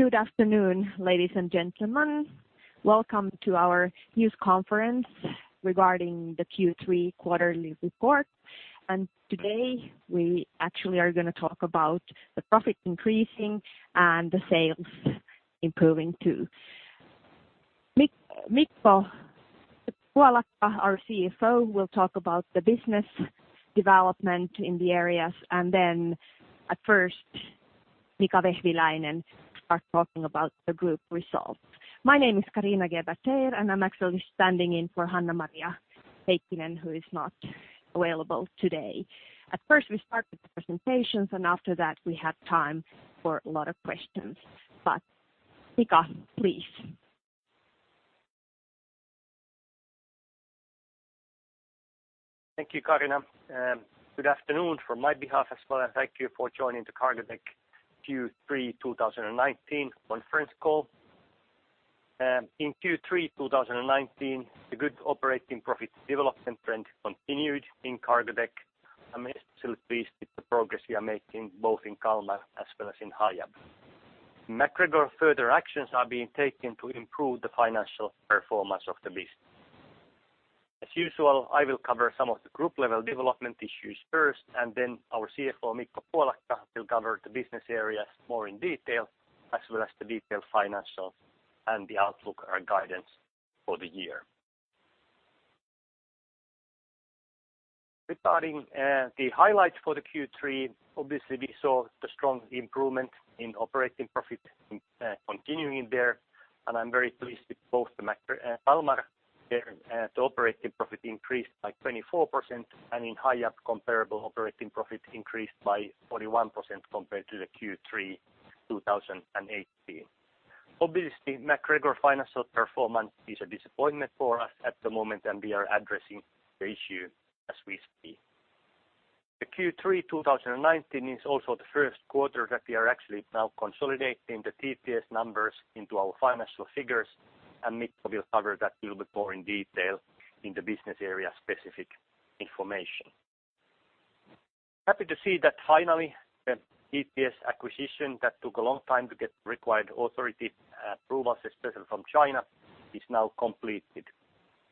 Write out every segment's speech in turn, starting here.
Good afternoon, ladies and gentlemen. Welcome to our news conference regarding the Q3 quarterly report. Today we actually are going to talk about the profit increasing and the sales improving too. Mikko Puolakka, our CFO, will talk about the business development in the areas, at first, Mika Vehviläinen are talking about the group results. My name is Carina Geber-Teir, and I'm actually standing in for Hanna-Maria Heikkinen, who is not available today. At first, we start with the presentations, and after that, we have time for a lot of questions. Mika, please. Thank you, Carina. Good afternoon from my behalf as well, and thank you for joining the Cargotec Q3 2019 conference call. In Q3 2019, the good operating profit development trend continued in Cargotec. I'm especially pleased with the progress we are making both in Kalmar as well as in Hiab. In MacGregor, further actions are being taken to improve the financial performance of the business. As usual, I will cover some of the group-level development issues first, and then our CFO, Mikko Puolakka, will cover the business areas more in detail as well as the detailed financials and the outlook or guidance for the year. Regarding the highlights for the Q3, obviously we saw the strong improvement in operating profit continuing there, and I'm very pleased with both the Kalmar, the operating profit increased by 24%, and in Hiab comparable operating profit increased by 41% compared to the Q3 2018. MacGregor financial performance is a disappointment for us at the moment, we are addressing the issue as we speak. The Q3 2019 is also the first quarter that we are actually now consolidating the TTS numbers into our financial figures, and Mikko will cover that a little bit more in detail in the business area specific information. Happy to see that finally the TTS acquisition that took a long time to get required authority approvals, especially from China, is now completed.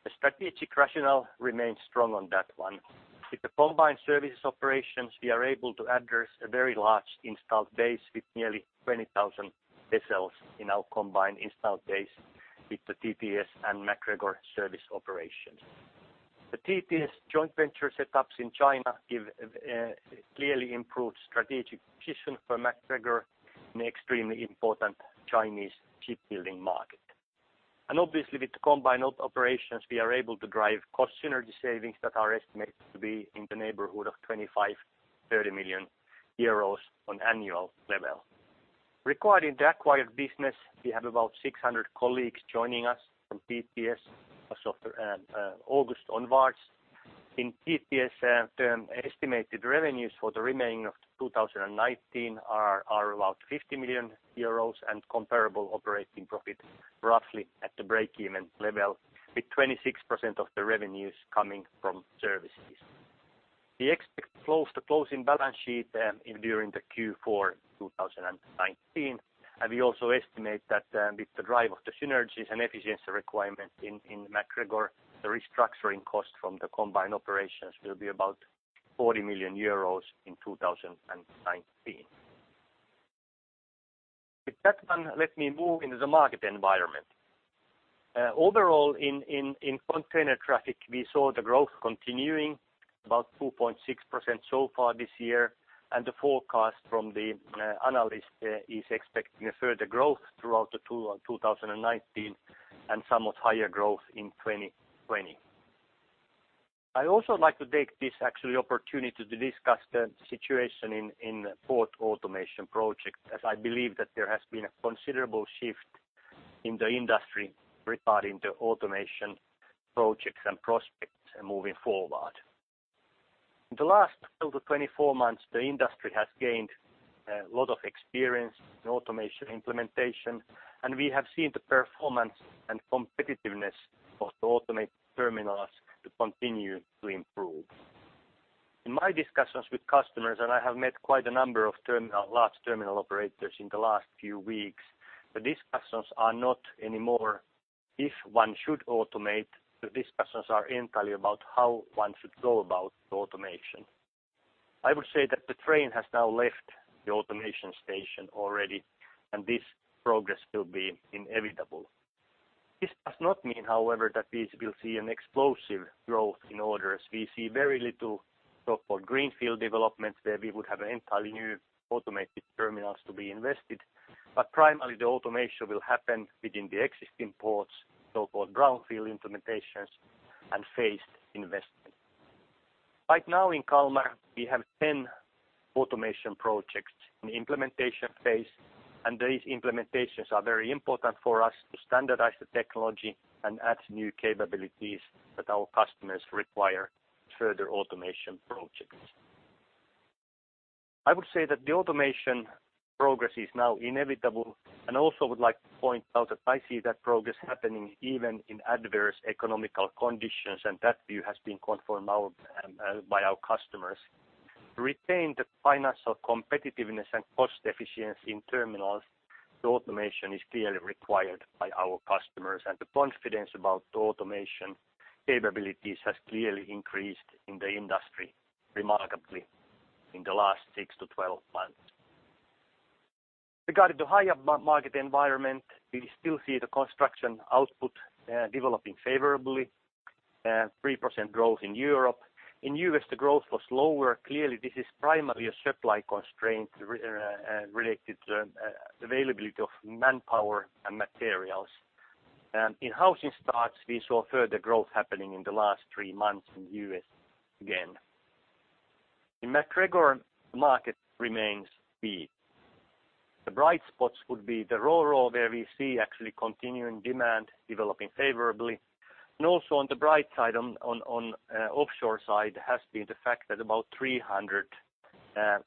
The strategic rationale remains strong on that one. With the combined services operations, we are able to address a very large installed base with nearly 20,000 vessels in our combined installed base with the TTS and MacGregor service operations. The TTS joint venture setups in China give a clearly improved strategic position for MacGregor in the extremely important Chinese shipbuilding market. Obviously with the combined operations, we are able to drive cost synergy savings that are estimated to be in the neighborhood of 25 million-30 million euros on annual level. Regarding the acquired business, we have about 600 colleagues joining us from TTS as of August onwards. In TTS term, estimated revenues for the remaining of 2019 are about 50 million euros and comparable operating profit roughly at the breakeven level, with 26% of the revenues coming from services. We expect to close the closing balance sheet during the Q4 2019, we also estimate that with the drive of the synergies and efficiency requirement in MacGregor, the restructuring cost from the combined operations will be about 40 million euros in 2019. With that one, let me move into the market environment. Overall in container traffic, we saw the growth continuing about 2.6% so far this year. The forecast from the analysts is expecting a further growth throughout 2019 and somewhat higher growth in 2020. I also like to take this actually opportunity to discuss the situation in port automation projects, as I believe that there has been a considerable shift in the industry regarding the automation projects and prospects moving forward. In the last 12-24 months, the industry has gained a lot of experience in automation implementation. We have seen the performance and competitiveness of the automated terminals to continue to improve. In my discussions with customers, and I have met quite a number of large terminal operators in the last few weeks, the discussions are not anymore if one should automate. The discussions are entirely about how one should go about the automation. I would say that the train has now left the automation station already, this progress will be inevitable. This does not mean, however, that we will see an explosive growth in orders. We see very little so-called greenfield developments where we would have entirely new automated terminals to be invested, but primarily the automation will happen within the existing ports, so-called brownfield implementations and phased investment. Right now in Kalmar, we have 10 automation projects in the implementation phase. These implementations are very important for us to standardize the technology and add new capabilities that our customers require for further automation projects. I would say that the automation progress is now inevitable. Also I would like to point out that I see that progress happening even in adverse economical conditions, and that view has been confirmed by our customers. To retain the financial competitiveness and cost efficiency in terminals, the automation is clearly required by our customers, the confidence about automation capabilities has clearly increased in the industry remarkably in the last 6-12 months. Regarding the Hiab market environment, we still see the construction output developing favorably. 3% growth in Europe. In U.S., the growth was lower. This is primarily a supply constraint related to availability of manpower and materials. In housing starts, we saw further growth happening in the last three months in the U.S. again. In MacGregor, the market remains weak. The bright spots would be the RoRo, where we see actually continuing demand developing favorably. On the bright side, on offshore side, has been the fact that about 300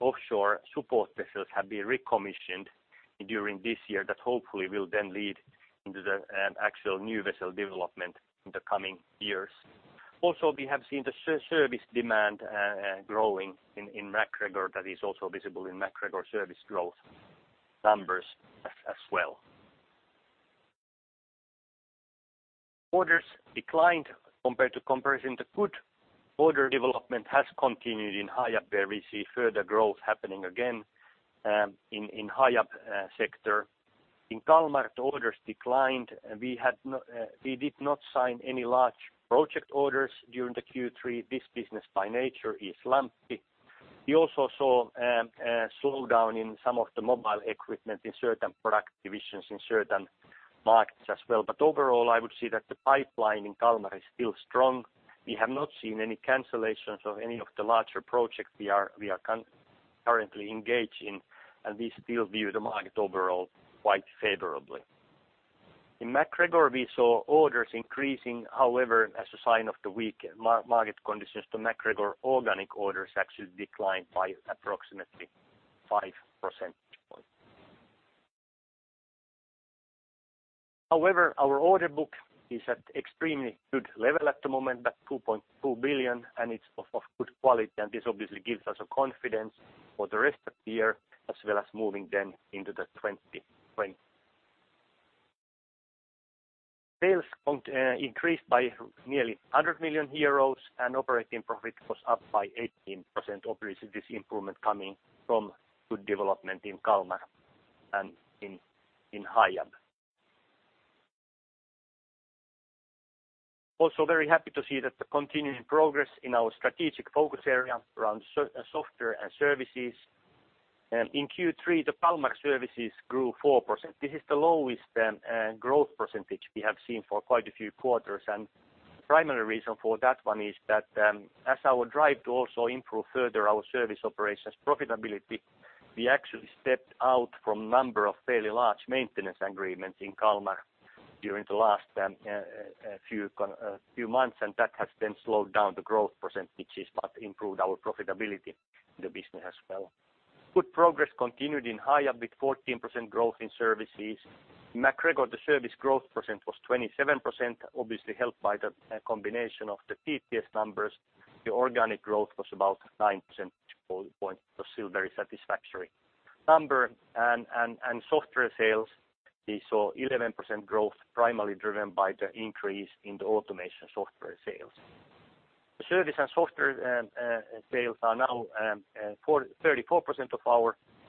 offshore support vessels have been recommissioned during this year. That hopefully will then lead into the actual new vessel development in the coming years. Also, we have seen the service demand growing in MacGregor that is also visible in MacGregor service growth numbers as well. Orders declined compared to comparison to good. Order development has continued in Hiab, where we see further growth happening again in Hiab sector. In Kalmar, the orders declined. We did not sign any large project orders during the Q3. This business, by nature, is lumpy. We also saw a slowdown in some of the mobile equipment in certain product divisions in certain markets as well. Overall, I would say that the pipeline in Kalmar is still strong. We have not seen any cancellations of any of the larger projects we are currently engaged in, and we still view the market overall quite favorably. In MacGregor, we saw orders increasing. As a sign of the weak market conditions to MacGregor, organic orders actually declined by approximately 5%. Our order book is at extremely good level at the moment, 2.2 billion, and it's of good quality, and this obviously gives us a confidence for the rest of the year as well as moving then into 2020. Sales increased by nearly 100 million euros and operating profit was up by 18%. Obviously, this improvement coming from good development in Kalmar and in Hiab. Also very happy to see that the continuing progress in our strategic focus area around software and services. In Q3, the Kalmar services grew 4%. This is the lowest growth percentage we have seen for quite a few quarters. The primary reason for that one is that as our drive to also improve further our service operations profitability, we actually stepped out from a number of fairly large maintenance agreements in Kalmar during the last few months, and that has then slowed down the growth % but improved our profitability in the business as well. Good progress continued in Hiab with 14% growth in services. In MacGregor, the service growth % was 27%, obviously helped by the combination of the TTS numbers. The organic growth was about 9%, which was still very satisfactory number. Software sales, we saw 11% growth, primarily driven by the increase in the automation software sales. The service and software sales are now 34%.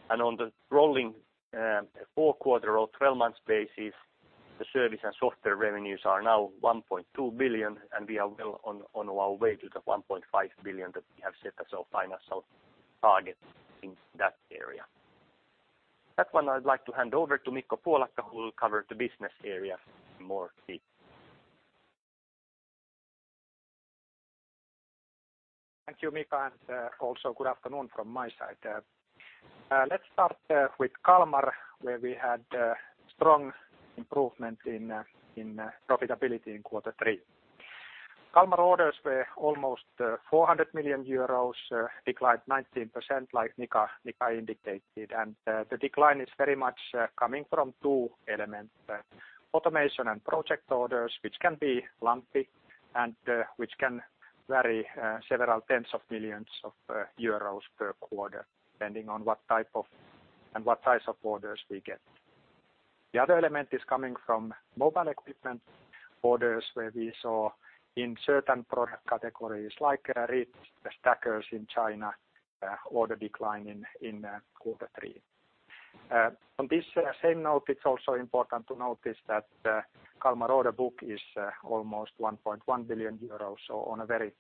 On the rolling 4-quarter or 12 months basis, the service and software revenues are now 1.2 billion, and we are well on our way to the 1.5 billion that we have set as our financial target in that area. That one I'd like to hand over to Mikko Puolakka, who will cover the business area in more detail. Thank you, Mika, and also good afternoon from my side. Let's start with Kalmar, where we had a strong improvement in profitability in quarter three. Kalmar orders were almost 400 million euros, declined 19%, like Mika indicated. The decline is very much coming from two elements: automation and project orders, which can be lumpy and which can vary several tens of millions of EUR per quarter, depending on what type of and what types of orders we get. The other element is coming from mobile equipment orders, where we saw in certain product categories like reach stackers in China, order decline in quarter three. On this same note, it's also important to notice that Kalmar order book is almost 1.1 billion euros, so on a very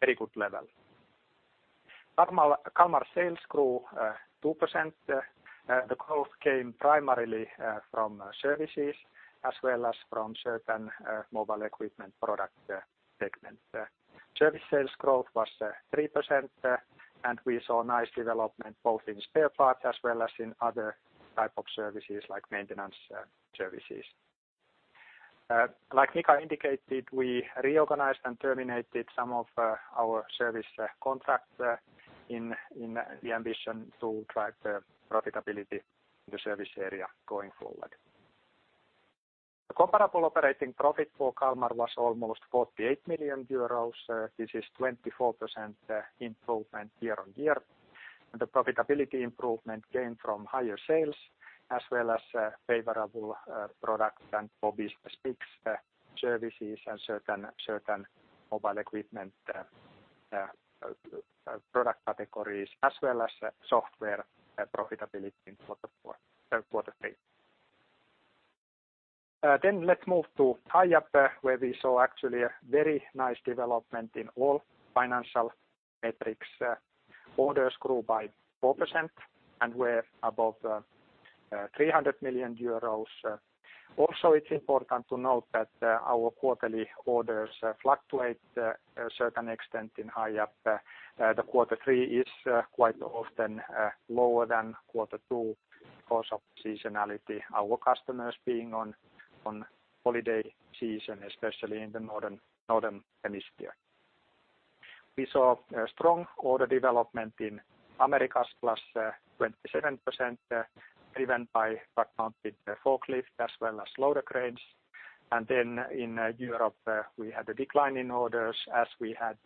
good level. Kalmar sales grew 2%. The growth came primarily from services as well as from certain mobile equipment product segment. Service sales growth was 3%, we saw nice development both in spare parts as well as in other type of services like maintenance services. Like Mika indicated, we reorganized and terminated some of our service contracts in the ambition to drive the profitability in the service area going forward. The comparable operating profit for Kalmar was almost 48 million euros. This is 24% improvement year-over-year. The profitability improvement gained from higher sales as well as favorable product and service mix, services and certain mobile equipment product categories, as well as software profitability in quarter three. Let's move to Hiab, where we saw actually a very nice development in all financial metrics. Orders grew by 4% and were above 300 million euros. Also, it's important to note that our quarterly orders fluctuate a certain extent in Hiab. The quarter three is quite often lower than quarter two because of seasonality, our customers being on holiday season, especially in the Northern Hemisphere. We saw a strong order development in Americas, +27%, driven by truck mounted forklift as well as loader cranes. In Europe, we had a decline in orders as we had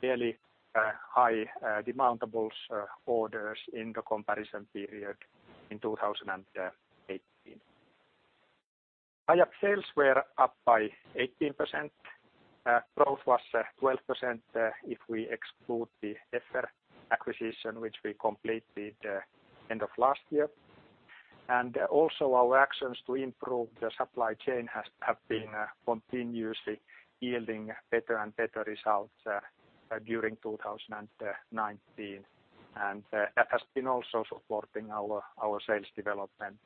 fairly high demountables orders in the comparison period in 2018. Hiab sales were up by 18%. Growth was 12% if we exclude the EFFER acquisition which we completed end of last year. Also our actions to improve the supply chain have been continuously yielding better and better results during 2019, and has been also supporting our sales development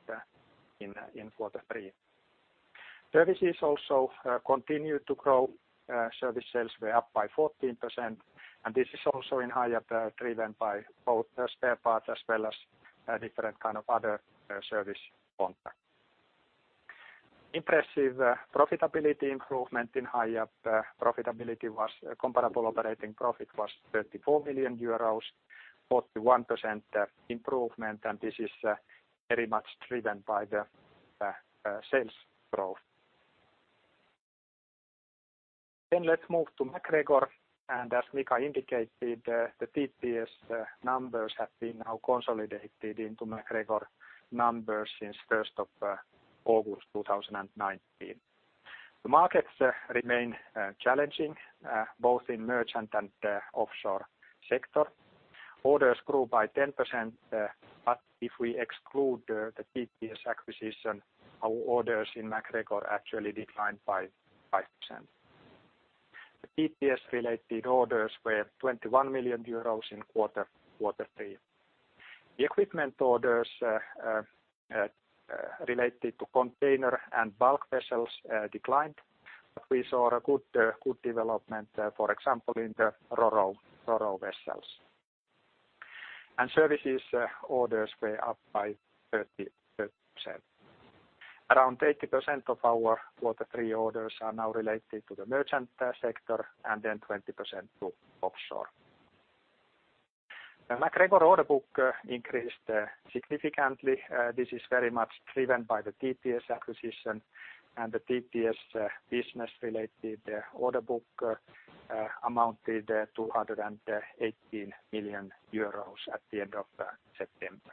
in quarter three. Services also continue to grow. Service sales were up by 14%, and this is also in Hiab driven by both spare parts as well as different kind of other service contract. Impressive profitability improvement in Hiab. Comparable operating profit was 34 million euros, 41% improvement. This is very much driven by the sales growth. Let's move to MacGregor. As Mika indicated, the TTS numbers have been now consolidated into MacGregor numbers since 1st of August 2019. The markets remain challenging both in merchant and offshore sector. Orders grew by 10%. If we exclude the TTS acquisition, our orders in MacGregor actually declined by 5%. The TTS-related orders were 21 million euros in quarter three. The equipment orders related to container and bulk vessels declined. We saw a good development, for example, in the Ro-Ro vessels. Services orders were up by 30%. Around 80% of our quarter three orders are now related to the merchant sector, 20% to offshore. The MacGregor order book increased significantly. This is very much driven by the TTS acquisition. The TTS business-related order book amounted 218 million euros at the end of September.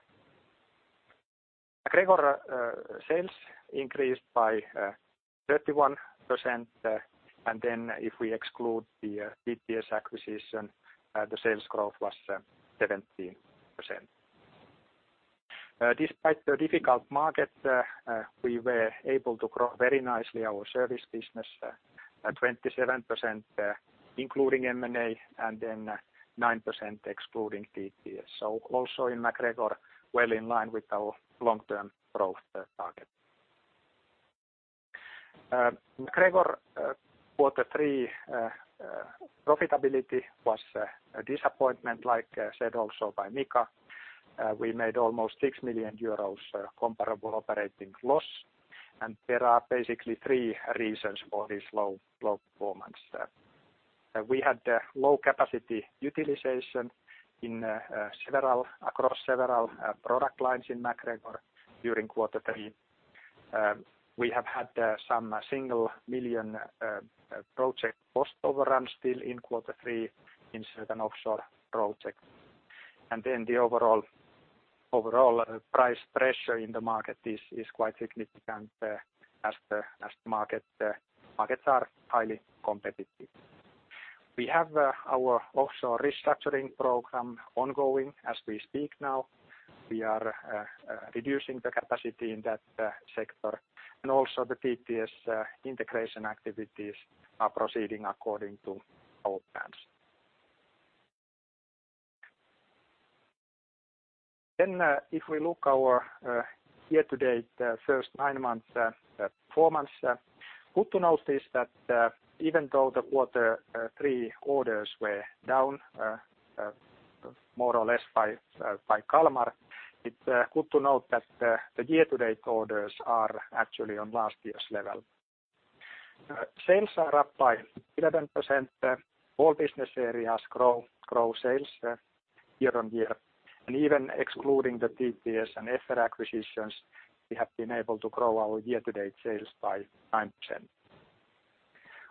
MacGregor sales increased by 31%. If we exclude the TTS acquisition, the sales growth was 17%. Despite the difficult market, we were able to grow very nicely our service business at 27%, including M&A, 9% excluding TTS. Also in MacGregor, well in line with our long-term growth target. MacGregor quarter three profitability was a disappointment, like said also by Mika. We made almost 6 million euros comparable operating loss. There are basically three reasons for this low performance. We had low capacity utilization across several product lines in MacGregor during quarter three. We have had some single million project cost overruns still in quarter three in certain offshore projects. The overall price pressure in the market is quite significant as the markets are highly competitive. We have our offshore restructuring program ongoing as we speak now. We are reducing the capacity in that sector, and also the TTS integration activities are proceeding according to our plans. If we look our year-to-date first nine-month performance, good to notice that even though the Q3 orders were down more or less by Kalmar, it's good to note that the year-to-date orders are actually on last year's level. Sales are up by 11%. All business areas grow sales year-on-year, and even excluding the TTS and EFFER acquisitions, we have been able to grow our year-to-date sales by 9%.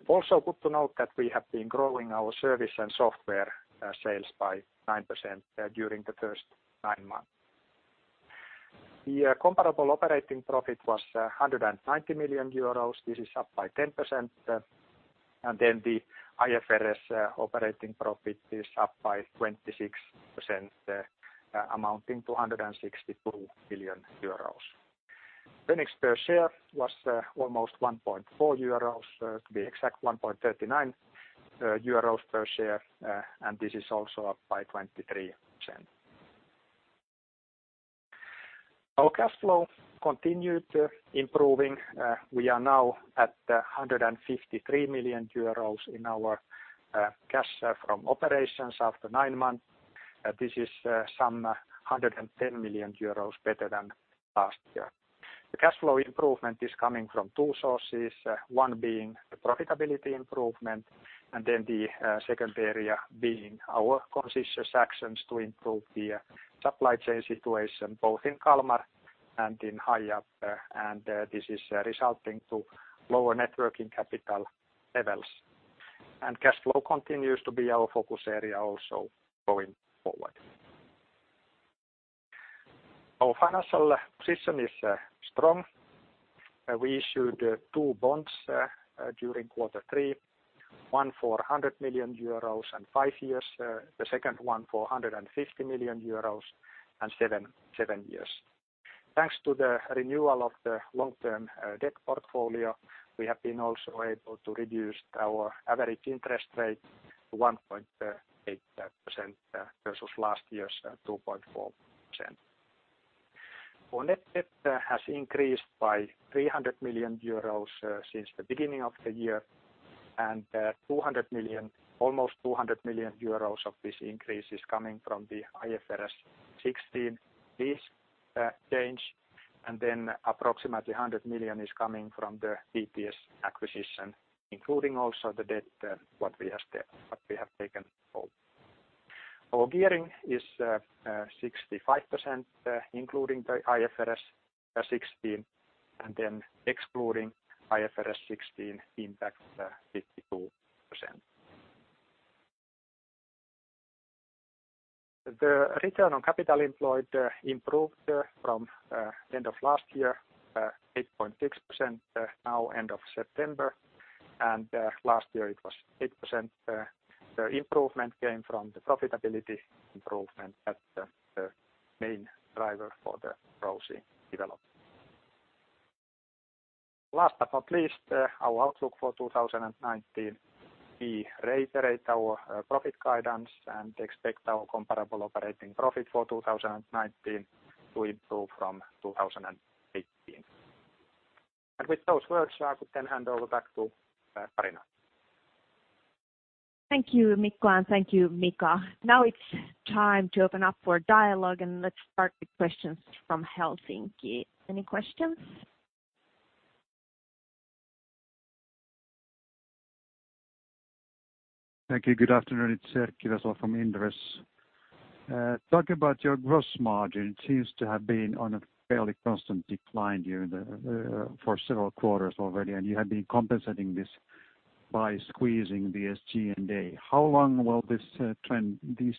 Good to note that we have been growing our service and software sales by 9% during the first nine months. The comparable operating profit was 190 million euros. This is up by 10%. Then the IFRS operating profit is up by 26%, amounting to 162 million euros. Earnings per share was almost 1.4 euros, to be exact, 1.39 euros per share, and this is also up by 0.23. Our cash flow continued improving. We are now at 153 million euros in our cash from operations after nine months. This is some 110 million euros better than last year. The cash flow improvement is coming from two sources, one being the profitability improvement, and then the second area being our conscious actions to improve the supply chain situation, both in Kalmar and in Hiab and this is resulting to lower networking capital levels. Cash flow continues to be our focus area also going forward. Our financial position is strong. We issued two bonds during Q3, one for 100 million euros and five years, the second one for 150 million euros and seven years. Thanks to the renewal of the long-term debt portfolio, we have been also able to reduce our average interest rate to 1.8% versus last year's 2.4%. Our net debt has increased by 300 million euros since the beginning of the year, almost 200 million euros of this increase is coming from the IFRS 16 lease change, approximately 100 million is coming from the TTS acquisition, including also the debt what we have taken over. Our gearing is 65% including the IFRS 16, excluding IFRS 16 impact, 52%. The return on capital employed improved from end of last year, 8.6% now end of September, last year it was 8%. The improvement came from the profitability improvement at the main driver for the ROCE development. Last but not least, our outlook for 2019. We reiterate our profit guidance and expect our comparable operating profit for 2019 to improve from 2018. With those words, I could then hand over back to Carina. Thank you, Mikko, and thank you, Mika. Now it's time to open up for dialogue, and let's start with questions from Helsinki. Any questions? Thank you. Good afternoon, it's Erkki Vesola from Inderes. Talking about your gross margin, it seems to have been on a fairly constant decline for several quarters already, and you have been compensating this by squeezing the SG&A. How long will these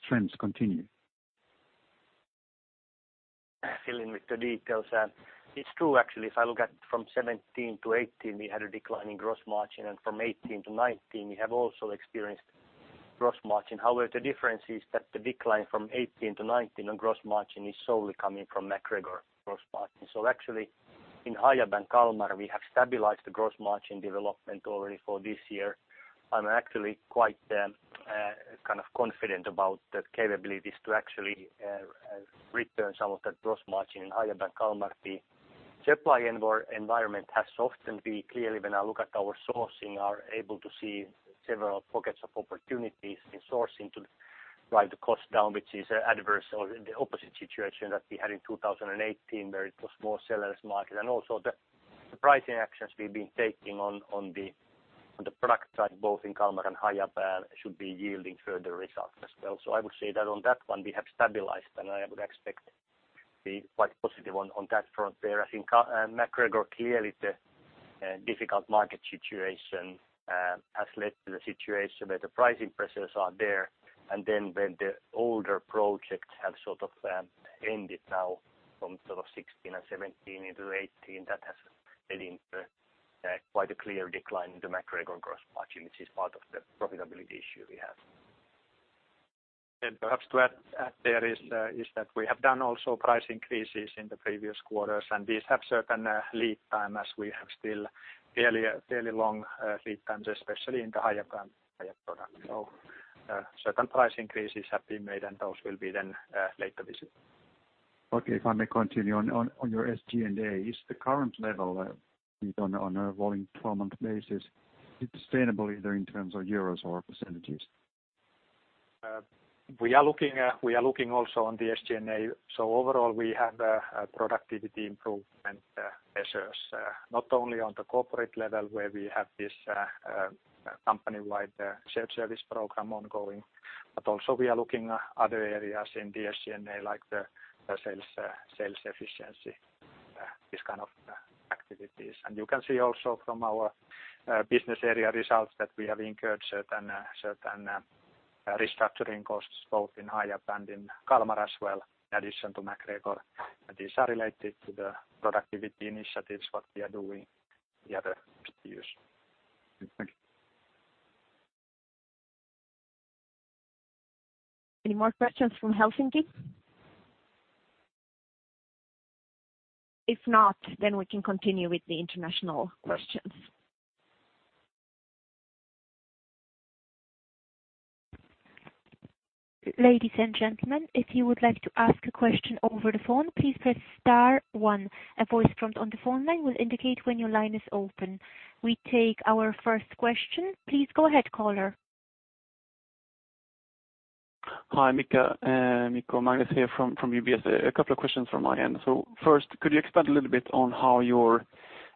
trends continue? Fill in with the details. It's true, actually. If I look at from 2017 to 2018, we had a decline in gross margin. From 2018 to 2019, we have also experienced gross margin. However, the difference is that the decline from 2018 to 2019 on gross margin is solely coming from MacGregor gross margin. Actually, in Hiab and Kalmar, we have stabilized the gross margin development already for this year. I'm actually quite kind of confident about the capabilities to actually return some of that gross margin in Hiab and Kalmar. The supply environment has softened. We clearly, when I look at our sourcing, are able to see several pockets of opportunities in sourcing to drive the cost down, which is adverse or the opposite situation that we had in 2018 where it was more seller's market. Also the pricing actions we've been taking on the product side, both in Kalmar and Hiab should be yielding further results as well. I would say that on that one we have stabilized, and I would expect to be quite positive on that front there. I think MacGregor, clearly the difficult market situation has led to the situation where the pricing pressures are there, and then when the older projects have sort of ended now from sort of 2016 and 2017 into 2018, that has led into quite a clear decline in the MacGregor gross margin, which is part of the profitability issue we have. Perhaps to add there is that we have done also price increases in the previous quarters, and these have certain lead time as we have still fairly long lead times, especially in the Hiab product. Certain price increases have been made, and those will be then later this year. Okay. If I may continue on your SG&A, is the current level on a rolling 12-month basis sustainable either in terms of euros or percentages? We are looking also on the SG&A. Overall, we have productivity improvement measures, not only on the corporate level where we have this company-wide shared service program ongoing, but also we are looking at other areas in the SG&A, like the sales efficiency, these kind of activities. You can see also from our business area results that we have incurred certain restructuring costs, both in Hiab and in Kalmar as well, in addition to MacGregor. These are related to the productivity initiatives, what we are doing the other years. Thank you. Any more questions from Helsinki? If not, we can continue with the international questions. Ladies and gentlemen, if you would like to ask a question over the phone, please press star one. A voice prompt on the phone line will indicate when your line is open. We take our first question. Please go ahead, caller. Hi, Mika and Mikko. Magnus here from UBS. A couple of questions from my end. First, could you expand a little bit on how your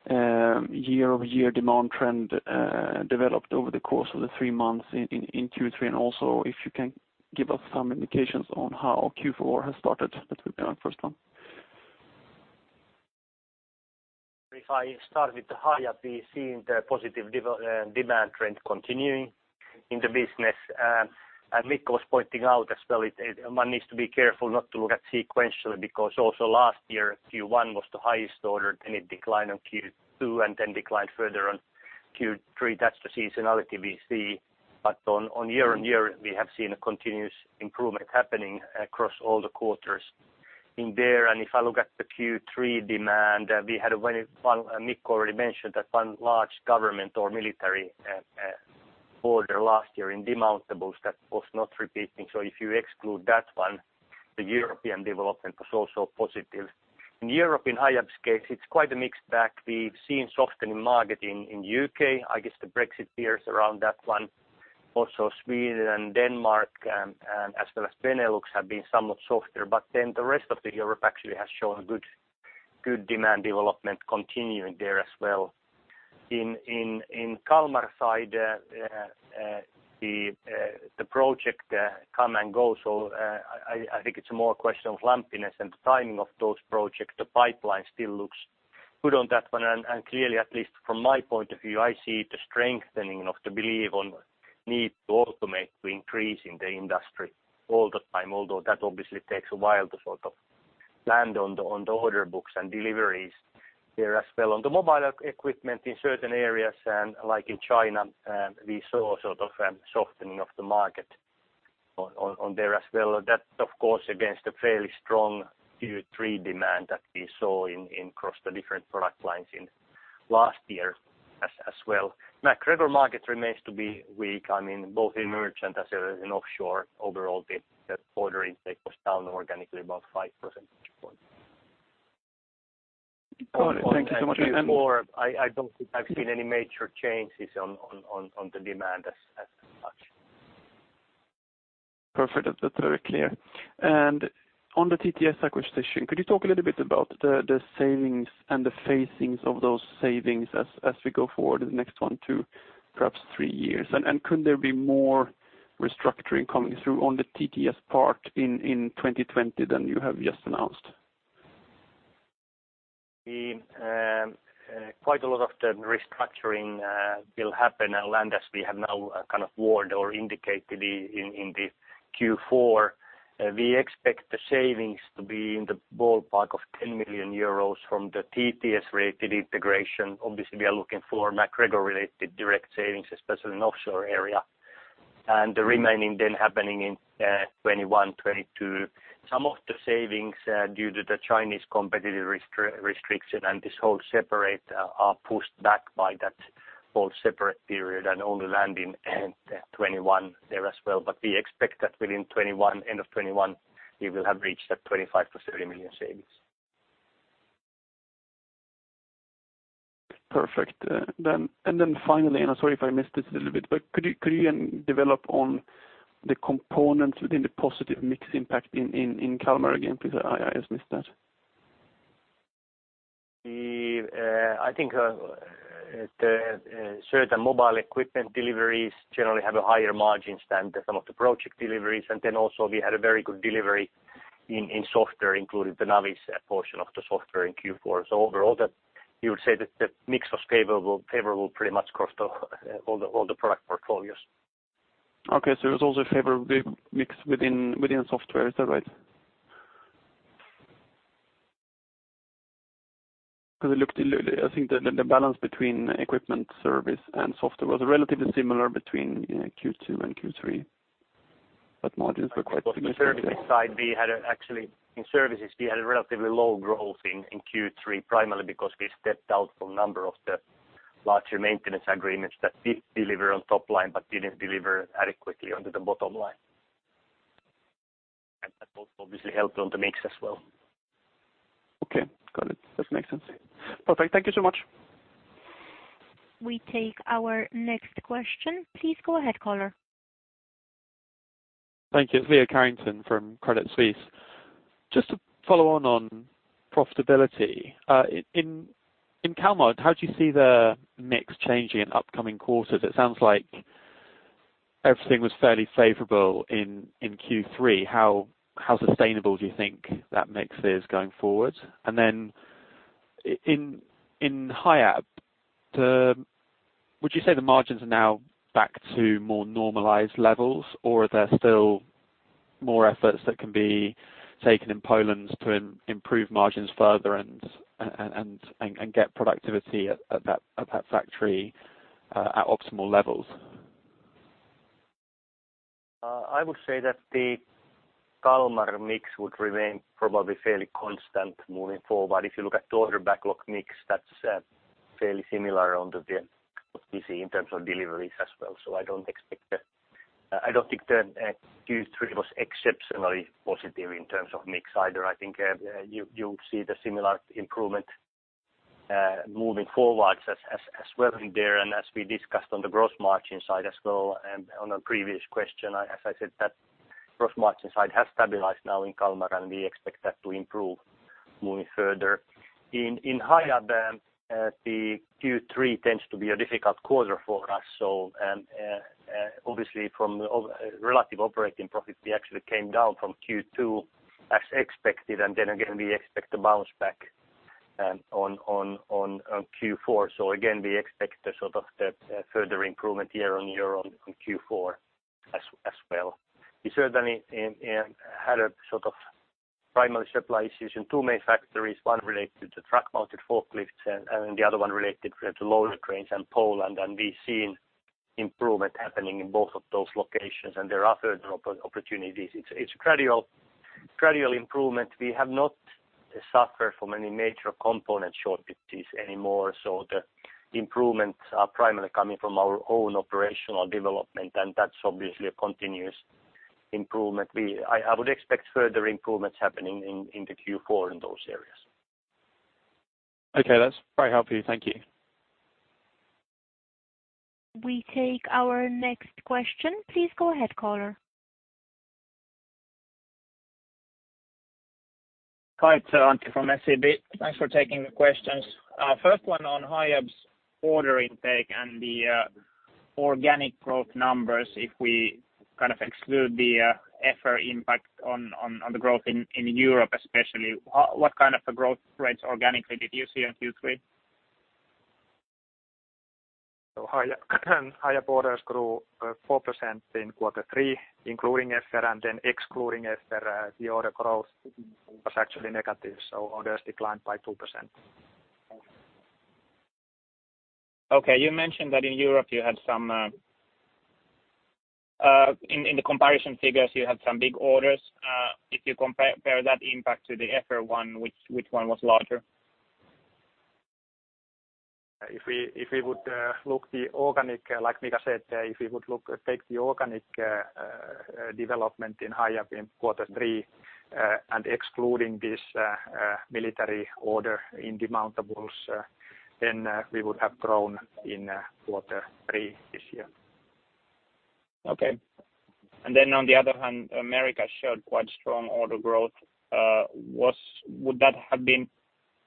year-over-year demand trend developed over the course of the three months in Q3, and also if you can give us some indications on how Q4 has started? That would be my first one. If I start with the Hiab, we've seen the positive demand trend continuing in the business. Mikko was pointing out as well, one needs to be careful not to look at sequentially, because also last year, Q1 was the highest order. It declined on Q2 and then declined further on Q3. That's the seasonality we see. On year-on-year, we have seen a continuous improvement happening across all the quarters in there. If I look at the Q3 demand, Mikko already mentioned that one large government or military order last year in demountables that was not repeating. If you exclude that one, the European development was also positive. In Europe in Hiab's case, it's quite a mixed bag. We've seen softening market in U.K. I guess the Brexit fears around that one. Also Sweden and Denmark, as well as Benelux have been somewhat softer. The rest of Europe actually has shown good demand development continuing there as well. In Kalmar side, the project come and go. I think it's more a question of lumpiness and the timing of those projects. The pipeline still looks good on that one. Clearly, at least from my point of view, I see the strengthening of the belief on need to automate, to increase in the industry all the time. Although that obviously takes a while to sort of land on the order books and deliveries there as well. On the mobile equipment in certain areas, like in China, we saw a sort of softening of the market on there as well. That, of course, against a fairly strong Q3 demand that we saw across the different product lines in last year as well. MacGregor market remains to be weak. I mean, both in merchant as in offshore, overall the order intake was down organically about 5%. Got it. Thank you so much. Q4, I don't think I've seen any major changes on the demand as such. Perfect. That's very clear. On the TTS acquisition, could you talk a little bit about the savings and the facings of those savings as we go forward in the next one to perhaps three years? Could there be more restructuring coming through on the TTS part in 2020 than you have just announced? Quite a lot of the restructuring will happen and land as we have now kind of warned or indicated in the Q4. We expect the savings to be in the ballpark of 10 million euros from the TTS-related integration. Obviously, we are looking for MacGregor-related direct savings, especially in offshore area. The remaining then happening in 2021, 2022. Some of the savings due to the Chinese competitive restriction are pushed back by that whole separate period and only land in 2021 there as well. We expect that within end of 2021, we will have reached that 25 million-30 million savings. Perfect. Finally, I'm sorry if I missed this a little bit, could you develop on the components within the positive mix impact in Kalmar again, please? I just missed that. I think certain mobile equipment deliveries generally have a higher margins than some of the project deliveries. We had a very good delivery in software, including the Navis portion of the software in Q4. You would say that the mix was favorable pretty much across all the product portfolios. Okay, it was also a favorable mix within software. Is that right? I think the balance between equipment service and software was relatively similar between Q2 and Q3, but margins were quite significant. Actually in services, we had a relatively low growth in Q3, primarily because we stepped out from a number of the larger maintenance agreements that did deliver on top line, but didn't deliver adequately under the bottom line. That both obviously help on the mix as well. Okay, got it. That makes sense. Perfect. Thank you so much. We take our next question. Please go ahead, caller. Thank you. It's Leo Carrington from Credit Suisse. Just to follow on profitability. In Kalmar, how do you see the mix changing in upcoming quarters? It sounds like everything was fairly favorable in Q3. How sustainable do you think that mix is going forward? Then in Hiab, would you say the margins are now back to more normalized levels, or are there still more efforts that can be taken in Poland to improve margins further and get productivity at that factory at optimal levels? I would say that the Kalmar mix would remain probably fairly constant moving forward. If you look at the order backlog mix, that's fairly similar on the PC in terms of deliveries as well. I don't think the Q3 was exceptionally positive in terms of mix either. I think you'll see the similar improvement moving forwards as well there. As we discussed on the gross margin side as well and on a previous question, as I said, that gross margin side has stabilized now in Kalmar, and we expect that to improve moving further. In Hiab, the Q3 tends to be a difficult quarter for us. Obviously from a relative operating profit, we actually came down from Q2 as expected, and then again, we expect to bounce back on Q4. Again, we expect the sort of further improvement year-on-year on Q4 as well. We certainly had a sort of primary supply issue in two main factories, one related to truck mounted forklifts and the other one related to loader cranes in Poland. We've seen improvement happening in both of those locations, and there are further opportunities. It's a gradual improvement. We have not suffered from any major component shortages anymore, so the improvements are primarily coming from our own operational development, and that's obviously a continuous improvement. I would expect further improvements happening in the Q4 in those areas. Okay, that's very helpful. Thank you. We take our next question. Please go ahead, caller. Hi, it's Antti from SEB. Thanks for taking the questions. First one on Hiab's order intake and the organic growth numbers. If we kind of exclude the EFFER impact on the growth in Europe especially, what kind of a growth rates organically did you see in Q3? Hiab orders grew 4% in quarter three, including EFFER, and then excluding EFFER, the order growth was actually negative. Orders declined by 2%. Okay. You mentioned that in Europe In the comparison figures, you had some big orders. If you compare that impact to the EFFER one, which one was larger? If we would look the organic, like Mika said, if we would take the organic development in Hiab in quarter three and excluding this military order in demountables, then we would have grown in quarter three this year. Okay. On the other hand, America showed quite strong order growth. Would that have been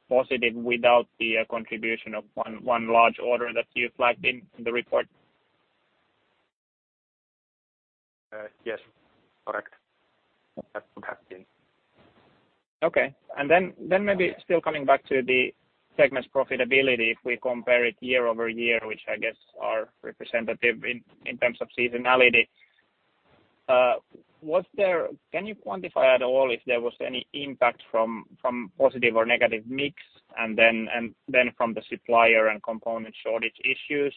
positive without the contribution of one large order that you flagged in the report? Yes. Correct. That would have been. Okay. Then maybe still coming back to the segment's profitability if we compare it year-over-year, which I guess are representative in terms of seasonality. Can you quantify at all if there was any impact from positive or negative mix and then from the supplier and component shortage issues?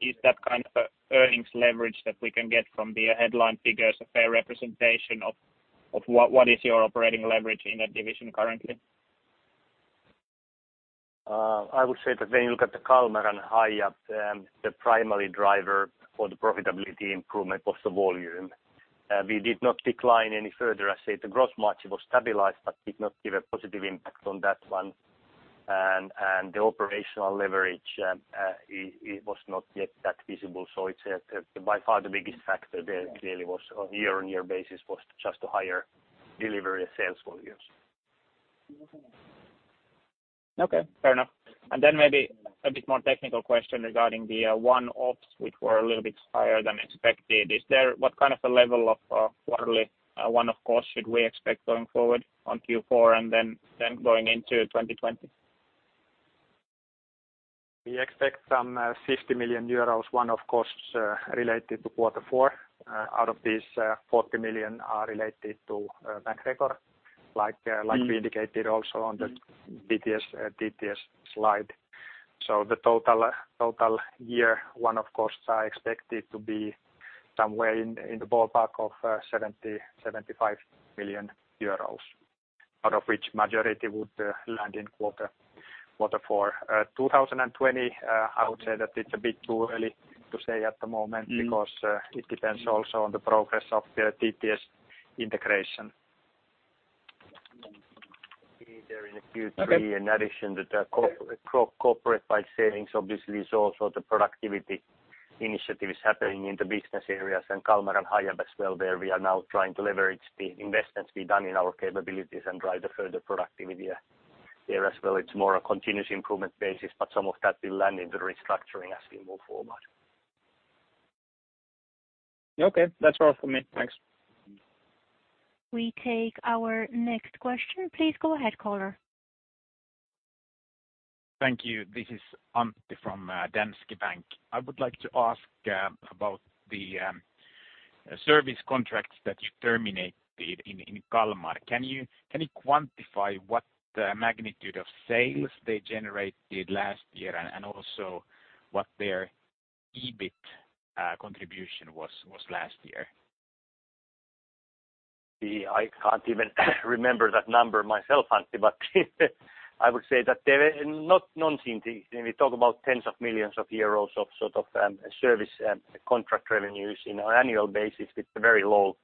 Is that kind of earnings leverage that we can get from the headline figures a fair representation of what is your operating leverage in that division currently? I would say that when you look at the Kalmar and Hiab the primary driver for the profitability improvement was the volume. We did not decline any further. I say the gross margin was stabilized but did not give a positive impact on that one. The operational leverage, it was not yet that visible. By far the biggest factor there clearly was on year-on-year basis was just the higher delivery of sales volumes. Okay, fair enough. Maybe a bit more technical question regarding the one-offs, which were a little bit higher than expected. What kind of a level of quarterly one-off costs should we expect going forward on Q4 and then going into 2020? We expect some 50 million euros one-off costs related to quarter four. Out of these, 40 million are related to MacGregor, like we indicated also on the TTS slide. The total year one-off costs are expected to be somewhere in the ballpark of 70 million-75 million euros. Out of which majority would land in quarter four. 2020, I would say that it's a bit too early to say at the moment because it depends also on the progress of the TTS integration. Okay. In addition to the corporate buy savings, obviously is also the productivity initiatives happening in the business areas and Kalmar and Hiab as well, there we are now trying to leverage the investments we've done in our capabilities and drive the further productivity there as well. It's more a continuous improvement basis, but some of that will land into restructuring as we move forward. Okay. That's all from me. Thanks. We take our next question. Please go ahead, caller. Thank you. This is Antti from Danske Bank. I would like to ask about the service contracts that you terminated in Kalmar. Can you quantify what magnitude of sales they generated last year and also what their EBIT contribution was last year? I can't even remember that number myself, Antti, but I would say that they were not non-significant. We talk about tens of millions of EUR of service contract revenues in an annual basis with very low,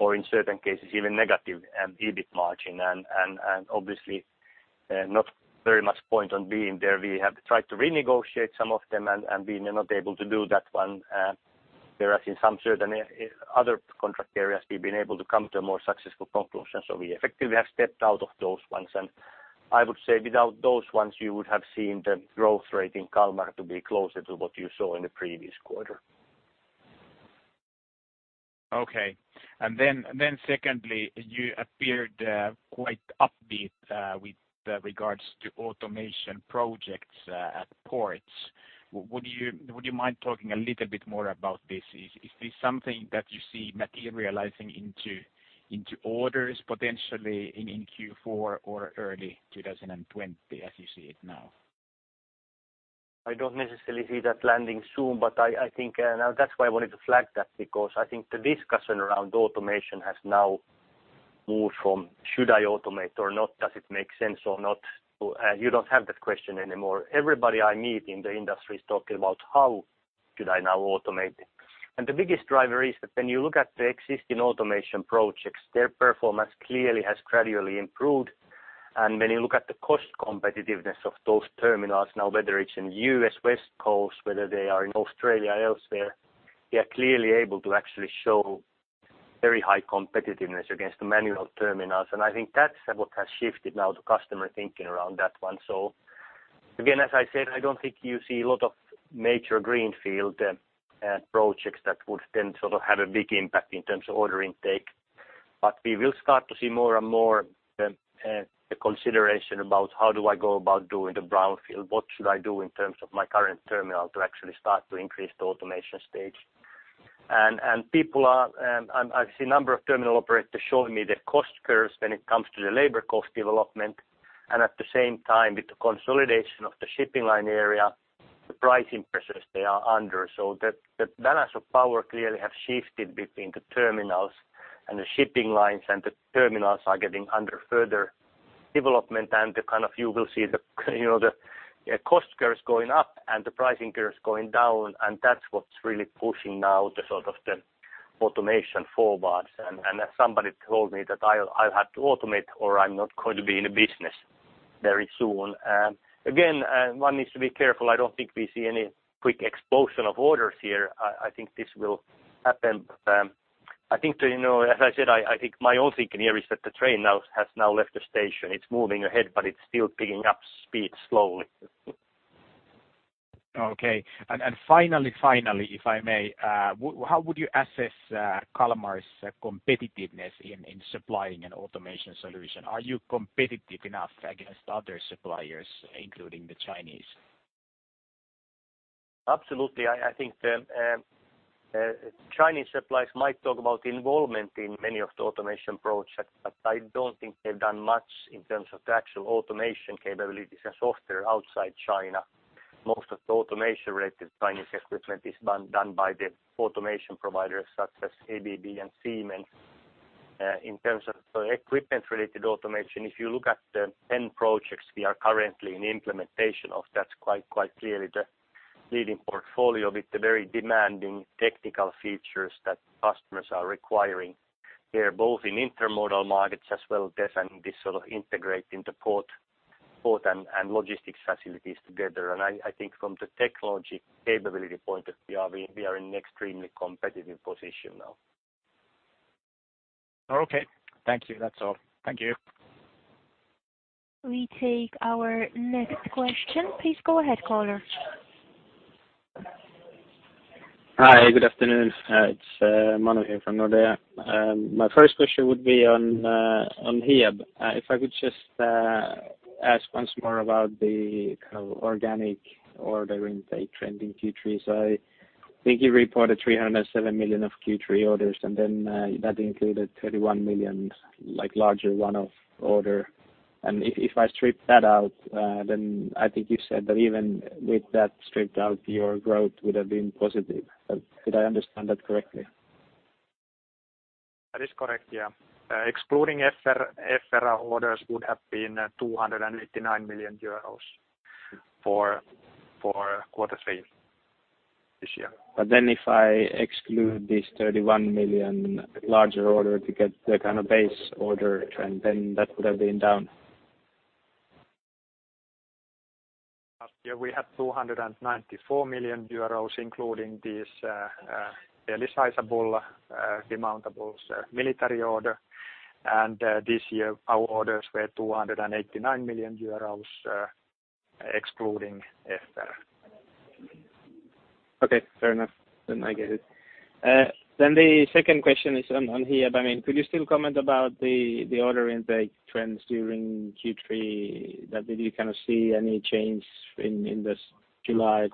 or in certain cases, even negative EBIT margin. Obviously, not very much point on being there. We have tried to renegotiate some of them and we were not able to do that one. In some certain other contract areas, we've been able to come to a more successful conclusion. We effectively have stepped out of those ones. I would say without those ones, you would have seen the growth rate in Kalmar to be closer to what you saw in the previous quarter. Okay. Secondly, you appeared quite upbeat with regards to automation projects at ports. Would you mind talking a little bit more about this? Is this something that you see materializing into orders potentially in Q4 or early 2020 as you see it now? I don't necessarily see that landing soon, but I think now that's why I wanted to flag that because I think the discussion around automation has now moved from should I automate or not? Does it make sense or not? You don't have that question anymore. Everybody I meet in the industry is talking about how should I now automate it. The biggest driver is that when you look at the existing automation projects, their performance clearly has gradually improved. When you look at the cost competitiveness of those terminals now, whether it's in U.S. West Coast, whether they are in Australia or elsewhere, they are clearly able to actually show very high competitiveness against the manual terminals. I think that's what has shifted now to customer thinking around that one. Again, as I said, I don't think you see a lot of major greenfield projects that would then sort of have a big impact in terms of order intake. We will start to see more and more the consideration about how do I go about doing the brownfield? What should I do in terms of my current terminal to actually start to increase the automation stage? I see a number of terminal operators showing me the cost curves when it comes to the labor cost development, and at the same time with the consolidation of the shipping line area, the pricing pressures they are under. The balance of power clearly have shifted between the terminals and the shipping lines, and the terminals are getting under further development and the kind of you will see the cost curves going up and the pricing curves going down, and that's what's really pushing now the sort of the automation forwards. As somebody told me that I'll have to automate or I'm not going to be in the business very soon. Again, one needs to be careful. I don't think we see any quick explosion of orders here. I think this will happen. As I said, I think my own thinking here is that the train has now left the station. It's moving ahead, but it's still picking up speed slowly. Okay. Finally, if I may, how would you assess Kalmar's competitiveness in supplying an automation solution? Are you competitive enough against other suppliers, including the Chinese? Absolutely. I think the Chinese suppliers might talk about involvement in many of the automation projects, but I don't think they've done much in terms of the actual automation capabilities and software outside China. Most of the automation-related Chinese equipment is done by the automation providers such as ABB and Siemens. In terms of equipment-related automation, if you look at the 10 projects we are currently in implementation of, that's quite clearly the leading portfolio with the very demanding technical features that customers are requiring there, both in intermodal markets as well as this sort of integrating the port and logistics facilities together. I think from the technology capability point of view, we are in extremely competitive position now. Okay. Thank you. That's all. Thank you. We take our next question. Please go ahead, caller. Hi, good afternoon. It's Manu here from Nordea. My first question would be on Hiab. If I could just ask once more about the organic order intake trending Q3. I think you reported 307 million of Q3 orders, that included 31 million larger one-off order. If I strip that out, I think you said that even with that stripped out, your growth would have been positive. Did I understand that correctly? That is correct, yeah. Excluding EFFER orders would have been 289 million euros for quarter three this year. If I exclude this 31 million larger order to get the kind of base order trend, then that would have been down. Last year, we had 294 million euros, including this fairly sizable, demountables military order. This year, our orders were 289 million euros, excluding FR. Okay, fair enough. I get it. The second question is on Hiab. Could you still comment about the order intake trends during Q3? Did you kind of see any change in this July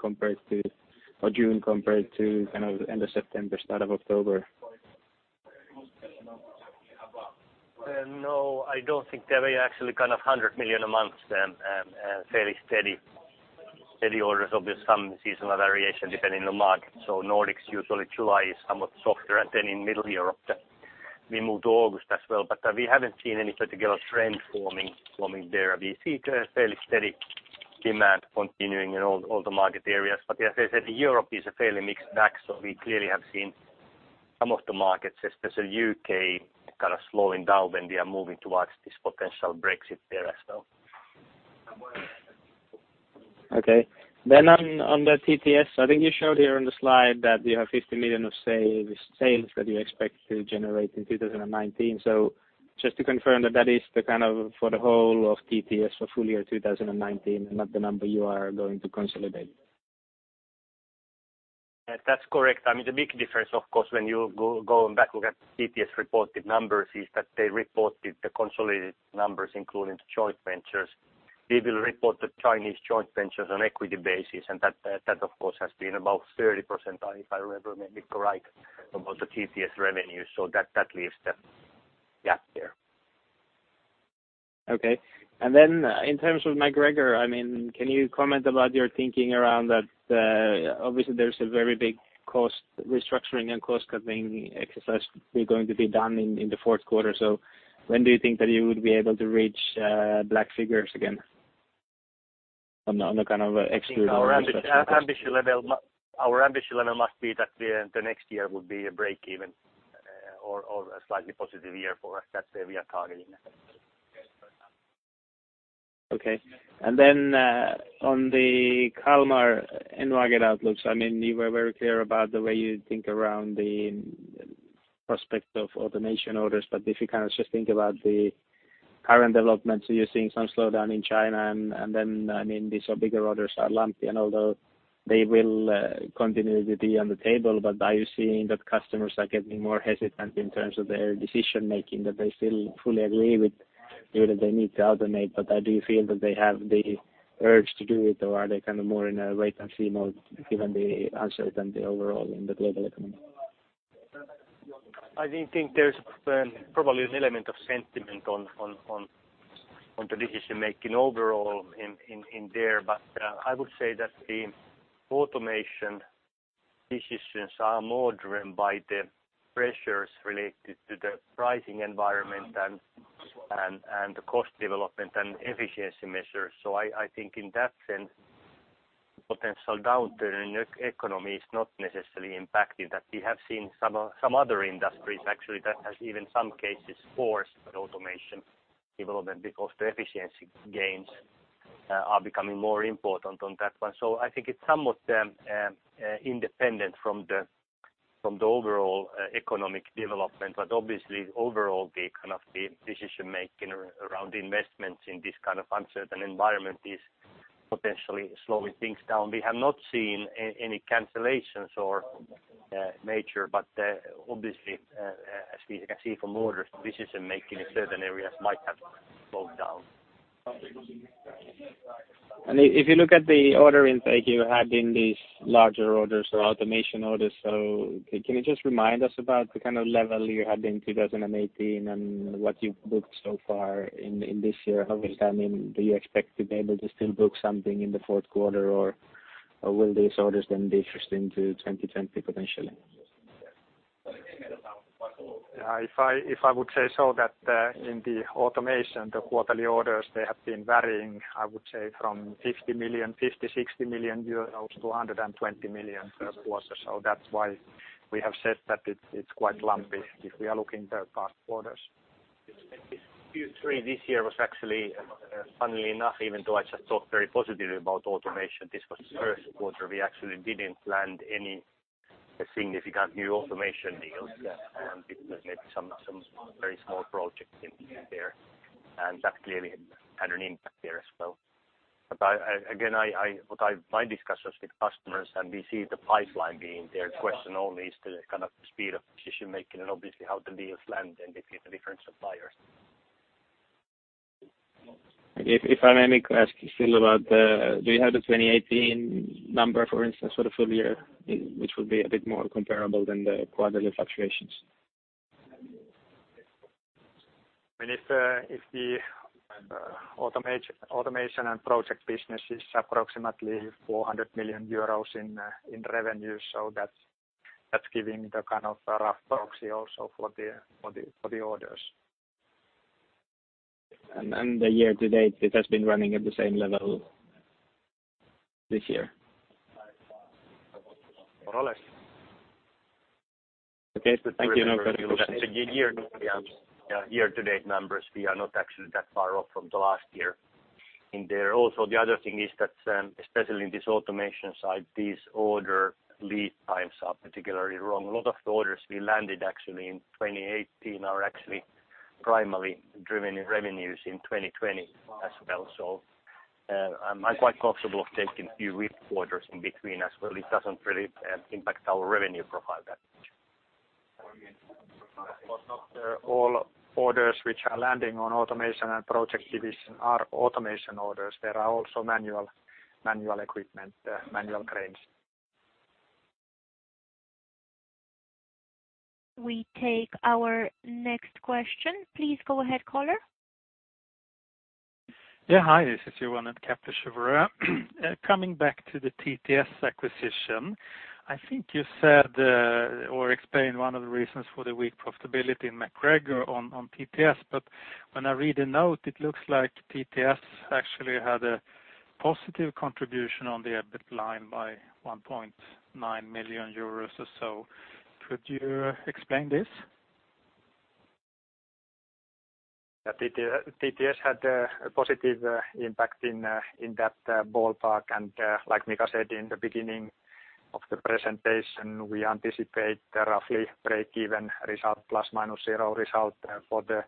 or June compared to end of September, start of October? No, I don't think they were actually kind of 100 million a month, fairly steady orders, obviously some seasonal variation depending on market. Nordics, usually July is somewhat softer. In middle Europe, we move to August as well. We haven't seen any particular trend forming there. We see fairly steady demand continuing in all the market areas. As I said, Europe is a fairly mixed bag, so we clearly have seen some of the markets, especially U.K., kind of slowing down when they are moving towards this potential Brexit there as well. Okay. On the TTS, I think you showed here on the slide that you have 50 million of sales that you expect to generate in 2019. Just to confirm that is for the whole of TTS for full year 2019 and not the number you are going to consolidate? That's correct. The big difference, of course, when you go back, look at TTS reported numbers, is that they reported the consolidated numbers, including the joint ventures. We will report the Chinese joint ventures on equity basis, and that of course has been about 30%, if I remember maybe correct, of all the TTS revenue. That leaves the gap there. Okay. In terms of MacGregor, can you comment about your thinking around that? Obviously, there's a very big restructuring and cost-cutting exercise going to be done in the fourth quarter. When do you think that you would be able to reach black figures again on the kind of excluding- Our ambition level must be that the next year would be a break-even or a slightly positive year for us. That's where we are targeting. Okay. Then on the Kalmar and Navis outlooks, you were very clear about the way you think around the prospect of automation orders. If you kind of just think about the current developments, you're seeing some slowdown in China and then these bigger orders are lumpy and although they will continue to be on the table, but are you seeing that customers are getting more hesitant in terms of their decision-making, that they still fully agree with you that they need to automate, but do you feel that they have the urge to do it, or are they kind of more in a wait and see mode given the uncertainty overall in the global economy? I think there's probably an element of sentiment on the decision-making overall in there. I would say that the automation decisions are more driven by the pressures related to the pricing environment and the cost development and efficiency measures. I think in that sense, potential downturn in economy is not necessarily impacting that. We have seen some other industries actually that has even some cases forced automation development because the efficiency gains are becoming more important on that one. I think it's somewhat independent from the overall economic development. Obviously overall the kind of the decision-making around investments in this kind of uncertain environment is potentially slowing things down. We have not seen any cancellations or nature, but obviously, as we can see from orders, decision-making in certain areas might have slowed down. If you look at the order intake you had in these larger orders or automation orders, can you just remind us about the kind of level you had in 2018 and what you've booked so far in this year? I mean, do you expect to be able to still book something in the fourth quarter or will these orders then be shifted into 2020 potentially? If I would say so that in the automation, the quarterly orders, they have been varying, I would say from 50 million, 50 million, 60 million euros to 120 million euros per quarter. That's why we have said that it's quite lumpy if we are looking at past quarters. Q3 this year was actually, funnily enough, even though I just talked very positively about automation, this was the first quarter we actually didn't land any significant new automation deals. It was maybe some very small projects in there. That clearly had an impact there as well. Again, my discussions with customers and we see the pipeline being there, question only is the kind of speed of decision-making and obviously how the deals land and if you have different suppliers. If I may ask you still about do you have the 2018 number, for instance, for the full year, which would be a bit more comparable than the quarterly fluctuations? If the automation and project business is approximately 400 million euros in revenue. That's giving the kind of rough proxy also for the orders. The year to date, it has been running at the same level this year? More or less. Okay. Thank you. The year to date numbers, we are not actually that far off from the last year in there. Also, the other thing is that, especially in this automation side, these order lead times are particularly long. A lot of the orders we landed actually in 2018 are actually primarily driven in revenues in 2020 as well. I'm quite comfortable of taking a few ref orders in between as well. It doesn't really impact our revenue profile that much. Of course not all orders which are landing on automation and project division are automation orders. There are also manual equipment, manual cranes. We take our next question. Please go ahead, caller. Yeah. Hi, this is Johan at Kepler Cheuvreux. Coming back to the TTS acquisition. I think you said or explained one of the reasons for the weak profitability in MacGregor on TTS, but when I read the note, it looks like TTS actually had a positive contribution on the EBIT line by 1.9 million euros or so. Could you explain this? TTS had a positive impact in that ballpark. Like Mika said in the beginning of the presentation, we anticipate roughly break-even result plus minus zero result for the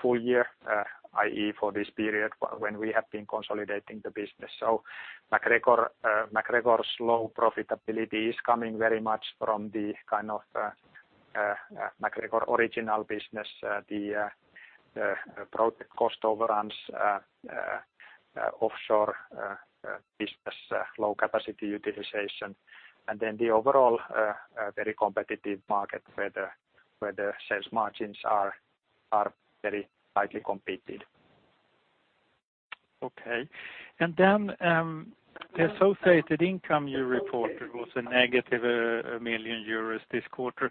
full year, i.e., for this period when we have been consolidating the business. MacGregor's low profitability is coming very much from the kind of MacGregor original business, the project cost overruns, offshore business, low capacity utilization, and then the overall very competitive market where the sales margins are very tightly competed. Okay. The associated income you reported was a negative 1 million euros this quarter.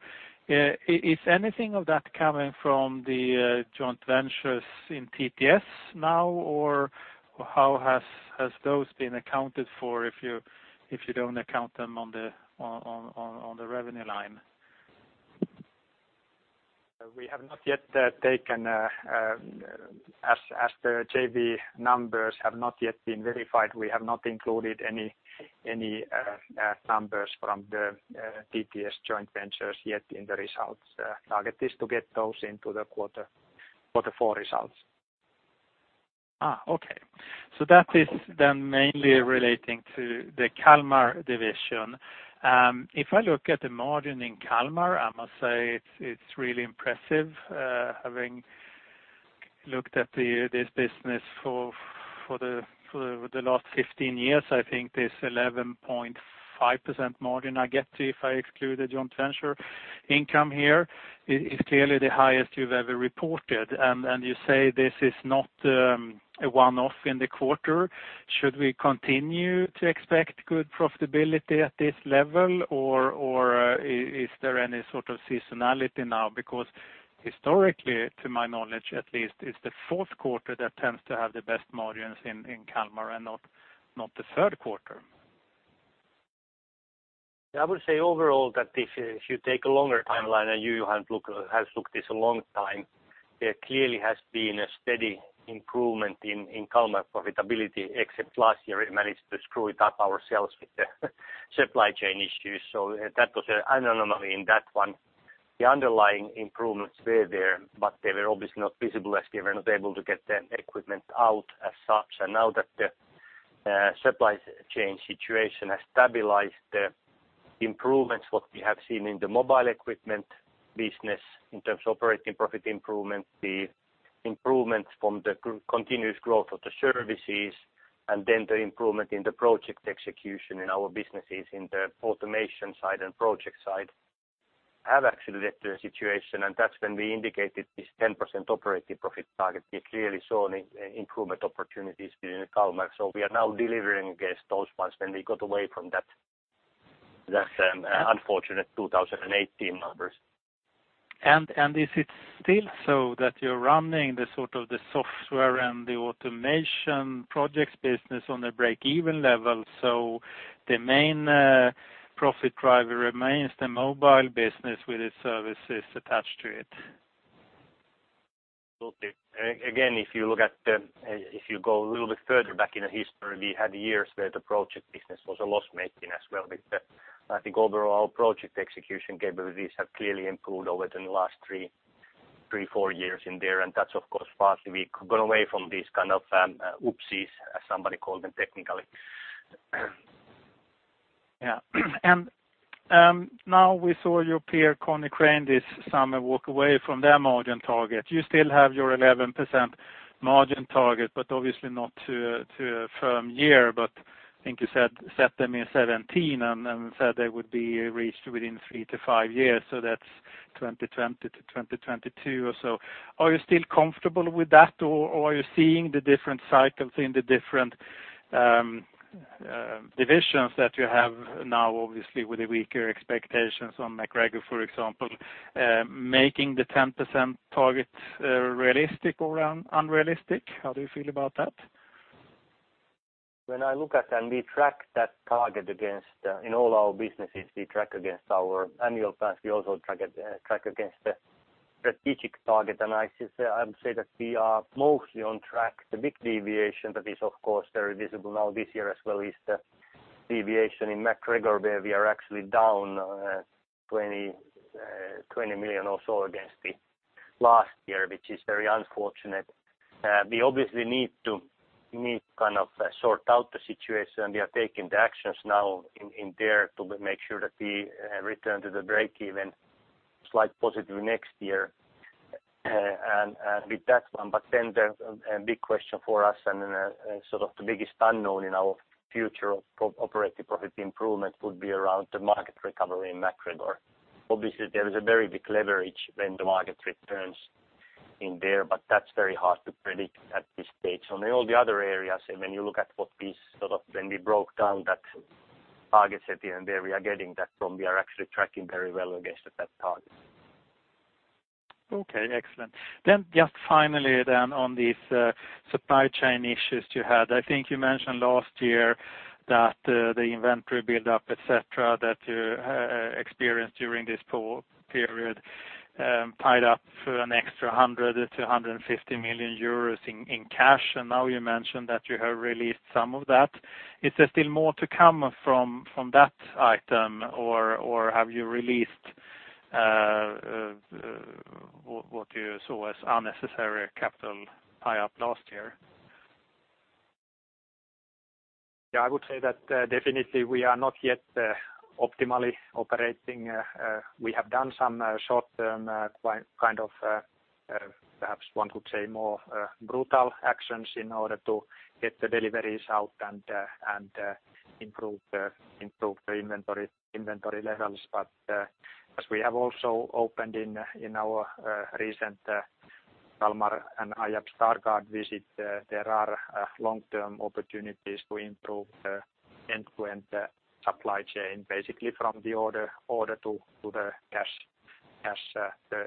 Is anything of that coming from the joint ventures in TTS now or how has those been accounted for if you don't account them on the revenue line? As the JV numbers have not yet been verified, we have not included any numbers from the TTS joint ventures yet in the results. Target is to get those into the quarter for the full results. That is then mainly relating to the Kalmar division. If I look at the margin in Kalmar, I must say it's really impressive. Having looked at this business for the last 15 years, I think this 11.5% margin I get if I exclude the joint venture income here is clearly the highest you've ever reported. You say this is not a one-off in the quarter. Should we continue to expect good profitability at this level or is there any sort of seasonality now? Historically, to my knowledge at least, it's the fourth quarter that tends to have the best margins in Kalmar and not the third quarter. I would say overall that if you take a longer timeline, and you have looked this a long time, there clearly has been a steady improvement in Kalmar profitability. Except last year, we managed to screw it up ourselves with the supply chain issues. That was an anomaly in that one. The underlying improvements were there, but they were obviously not visible as we were not able to get the equipment out as such. Now that the supply chain situation has stabilized, the improvements what we have seen in the mobile equipment business in terms of operating profit improvement, the improvements from the continuous growth of the services, and then the improvement in the project execution in our businesses in the automation side and project side have actually led to a situation. That's when we indicated this 10% operating profit target. We clearly saw improvement opportunities within Kalmar. We are now delivering against those ones when we got away from that unfortunate 2018 numbers. Is it still so that you're running the sort of the software and the automation projects business on a break-even level? The main profit driver remains the mobile business with its services attached to it. If you go a little bit further back in the history, we had years where the project business was a loss-making as well. I think overall project execution capabilities have clearly improved over the last three, four years in there. That's of course partly we've gone away from these kind of oopsies, as somebody called them technically. Yeah. Now we saw your peer Konecranes this summer walk away from their margin target. You still have your 11% margin target, but obviously not to a firm year, but I think you set them in 2017 and said they would be reached within 3 to 5 years. That's 2020 to 2022 or so. Are you still comfortable with that, or are you seeing the different cycles in the different divisions that you have now, obviously with the weaker expectations on MacGregor, for example, making the 10% target realistic or unrealistic? How do you feel about that? When I look at and we track that target against in all our businesses, we track against our annual plans. We also track against the strategic target. I would say that we are mostly on track. The big deviation that is of course, very visible now this year as well, is the deviation in MacGregor, where we are actually down 20 million or so against the last year, which is very unfortunate. We obviously need to sort out the situation. We are taking the actions now in there to make sure that we return to the break-even slight positive next year with that one. The big question for us and then sort of the biggest unknown in our future of operating profit improvement would be around the market recovery in MacGregor. Obviously, there is a very big leverage when the market returns in there, but that's very hard to predict at this stage. On all the other areas, when you look at what piece sort of when we broke down that target at the end there, we are getting that from, we are actually tracking very well against that target. Okay, excellent. Just finally then on these supply chain issues you had, I think you mentioned last year that the inventory buildup, et cetera, that you experienced during this poor period piled up for an extra 100 million-150 million euros in cash. Now you mentioned that you have released some of that. Is there still more to come from that item or have you released what you saw as unnecessary capital tie-up last year? Yeah, I would say that definitely we are not yet optimally operating. We have done some short-term kind of perhaps one could say more brutal actions in order to get the deliveries out and improve the inventory levels. As we have also opened in our recent Kalmar and Hiab Stargard visit there are long-term opportunities to improve the end-to-end supply chain, basically from the order to the cash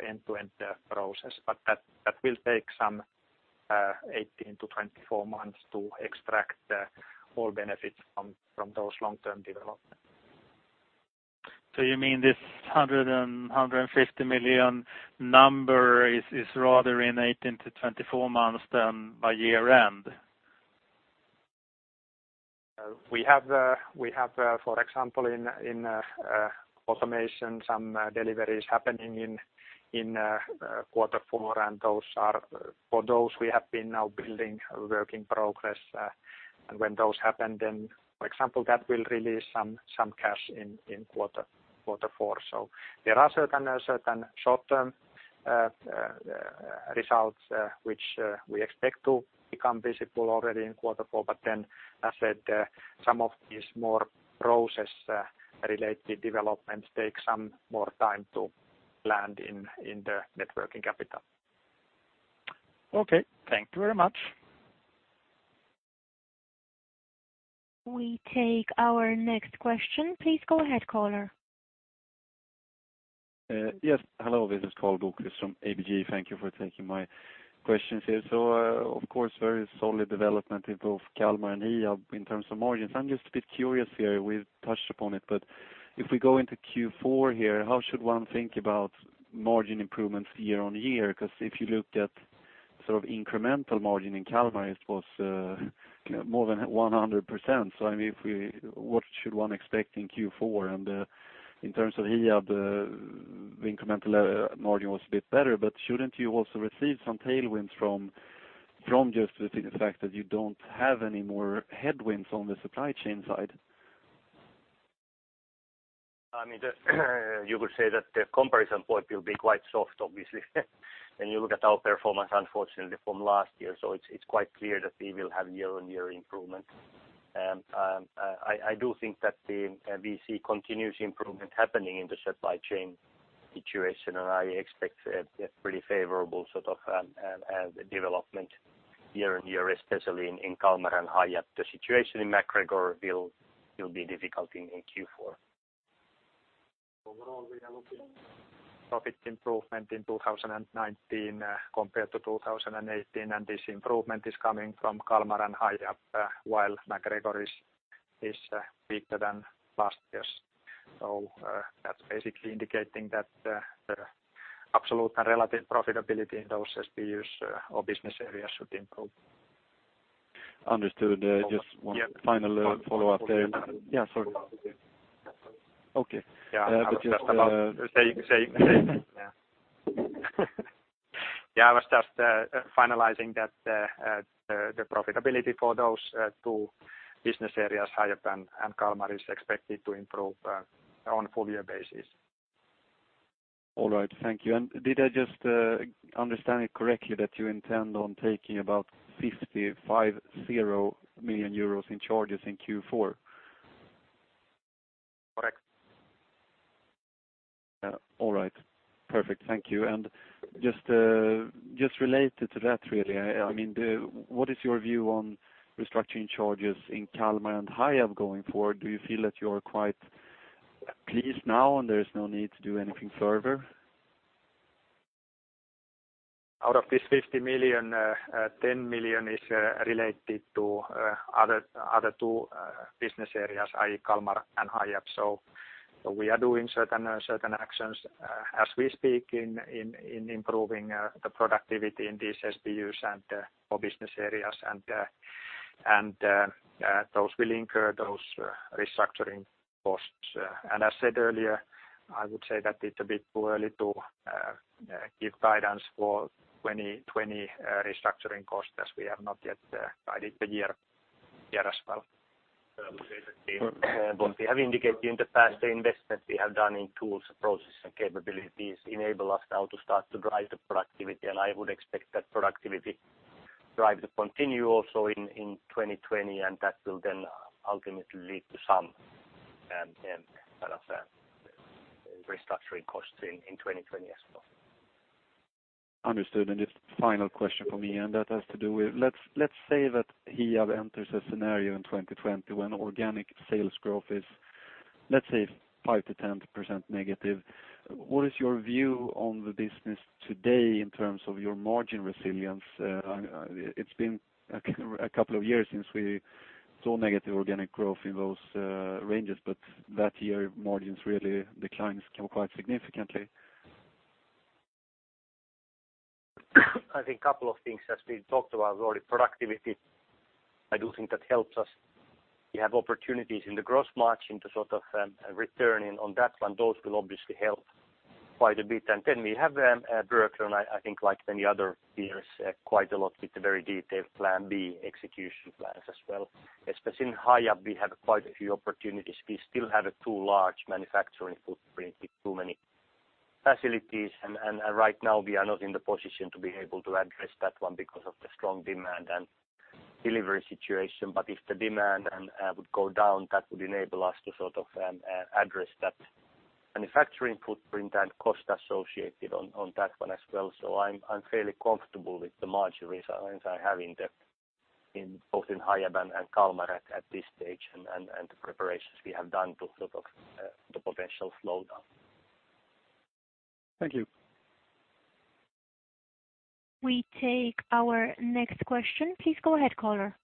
end-to-end process. That will take some 18-24 months to extract the full benefits from those long-term developments. You mean this 100 million and 150 million number is rather in 18-24 months than by year-end? We have for example, in automation some deliveries happening in quarter four. For those we have been now building a work in progress. When those happen then, for example, that will release some cash in quarter four. There are certain short-term results which we expect to become visible already in quarter four. As said some of these more process-related developments take some more time to land in the net working capital. Okay. Thank you very much. We take our next question. Please go ahead, caller. Yes. Hello, this is Karl Bokvist from ABG. Thank you for taking my questions here. Of course, very solid development in both Kalmar and Hiab in terms of margins. I'm just a bit curious here. We've touched upon it, but if we go into Q4 here, how should one think about margin improvements year-on-year? Because if you looked at sort of incremental margin in Kalmar, it was more than 100%. I mean, what should one expect in Q4? In terms of Hiab, the incremental margin was a bit better, but shouldn't you also receive some tailwinds from just the fact that you don't have any more headwinds on the supply chain side? I mean, you could say that the comparison point will be quite soft, obviously, when you look at our performance, unfortunately, from last year. It's quite clear that we will have year-on-year improvement. I do think that we see continuous improvement happening in the supply chain situation, and I expect a pretty favorable sort of development year-on-year, especially in Kalmar and Hiab. The situation in MacGregor will be difficult in Q4. Overall, we are looking profit improvement in 2019 compared to 2018, and this improvement is coming from Kalmar and Hiab while MacGregor is weaker than last year's. That's basically indicating that the absolute and relative profitability in those SPUs or business areas should improve. Understood. Just one final follow-up there. Yeah. Yeah, sorry. Okay. Yeah, I was just finalizing that the profitability for those two business areas, Hiab and Kalmar, is expected to improve on a full year basis. All right. Thank you. Did I just understand it correctly that you intend on taking about 50 million euros in charges in Q4? Correct. All right. Perfect. Thank you. Just related to that really, what is your view on restructuring charges in Kalmar and Hiab going forward? Do you feel that you are quite pleased now, and there is no need to do anything further? Out of this 50 million, 10 million is related to other two business areas, i.e., Kalmar and Hiab. We are doing certain actions as we speak in improving the productivity in these SPUs and core business areas, and those will incur those restructuring costs. As said earlier, I would say that it's a bit too early to give guidance for 2020 restructuring costs as we have not yet guided the year as well. We have indicated in the past the investment we have done in tools, approaches, and capabilities enable us now to start to drive the productivity. I would expect that productivity drive to continue also in 2020, and that will then ultimately lead to some kind of restructuring costs in 2020 as well. Understood. Just final question from me, and that has to do with, let's say that Hiab enters a scenario in 2020 when organic sales growth is, let's say, 5%-10% negative. What is your view on the business today in terms of your margin resilience? It's been a couple of years since we saw negative organic growth in those ranges, but that year margins really declines quite significantly. I think couple of things as we talked about already, productivity, I do think that helps us. We have opportunities in the gross margin to sort of return in on that one. Those will obviously help quite a bit. We have work on, I think like many other peers, quite a lot with the very detailed plan B execution plans as well. Especially in Hiab, we have quite a few opportunities. We still have a too large manufacturing footprint with too many facilities. Right now we are not in the position to be able to address that one because of the strong demand and delivery situation. If the demand would go down, that would enable us to sort of address that manufacturing footprint and cost associated on that one as well. I'm fairly comfortable with the margin resilience I have both in Hiab and Kalmar at this stage and the preparations we have done to potential slowdown. Thank you. We take our next question. Please go ahead, caller.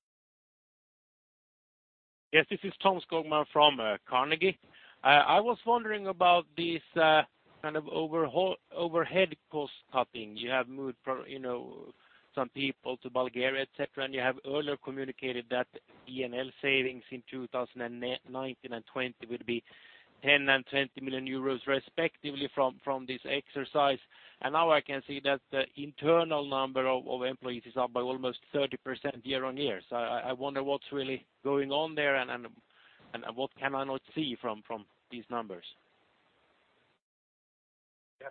Yes, this is Tom Skogman from Carnegie. I was wondering about this kind of overhead cost cutting. You have moved some people to Bulgaria, et cetera, and you have earlier communicated that E&L savings in 2019 and 2020 will be 10 million and 20 million euros respectively from this exercise. Now I can see that the internal number of employees is up by almost 30% year-over-year. I wonder what's really going on there and what can I not see from these numbers? Yes,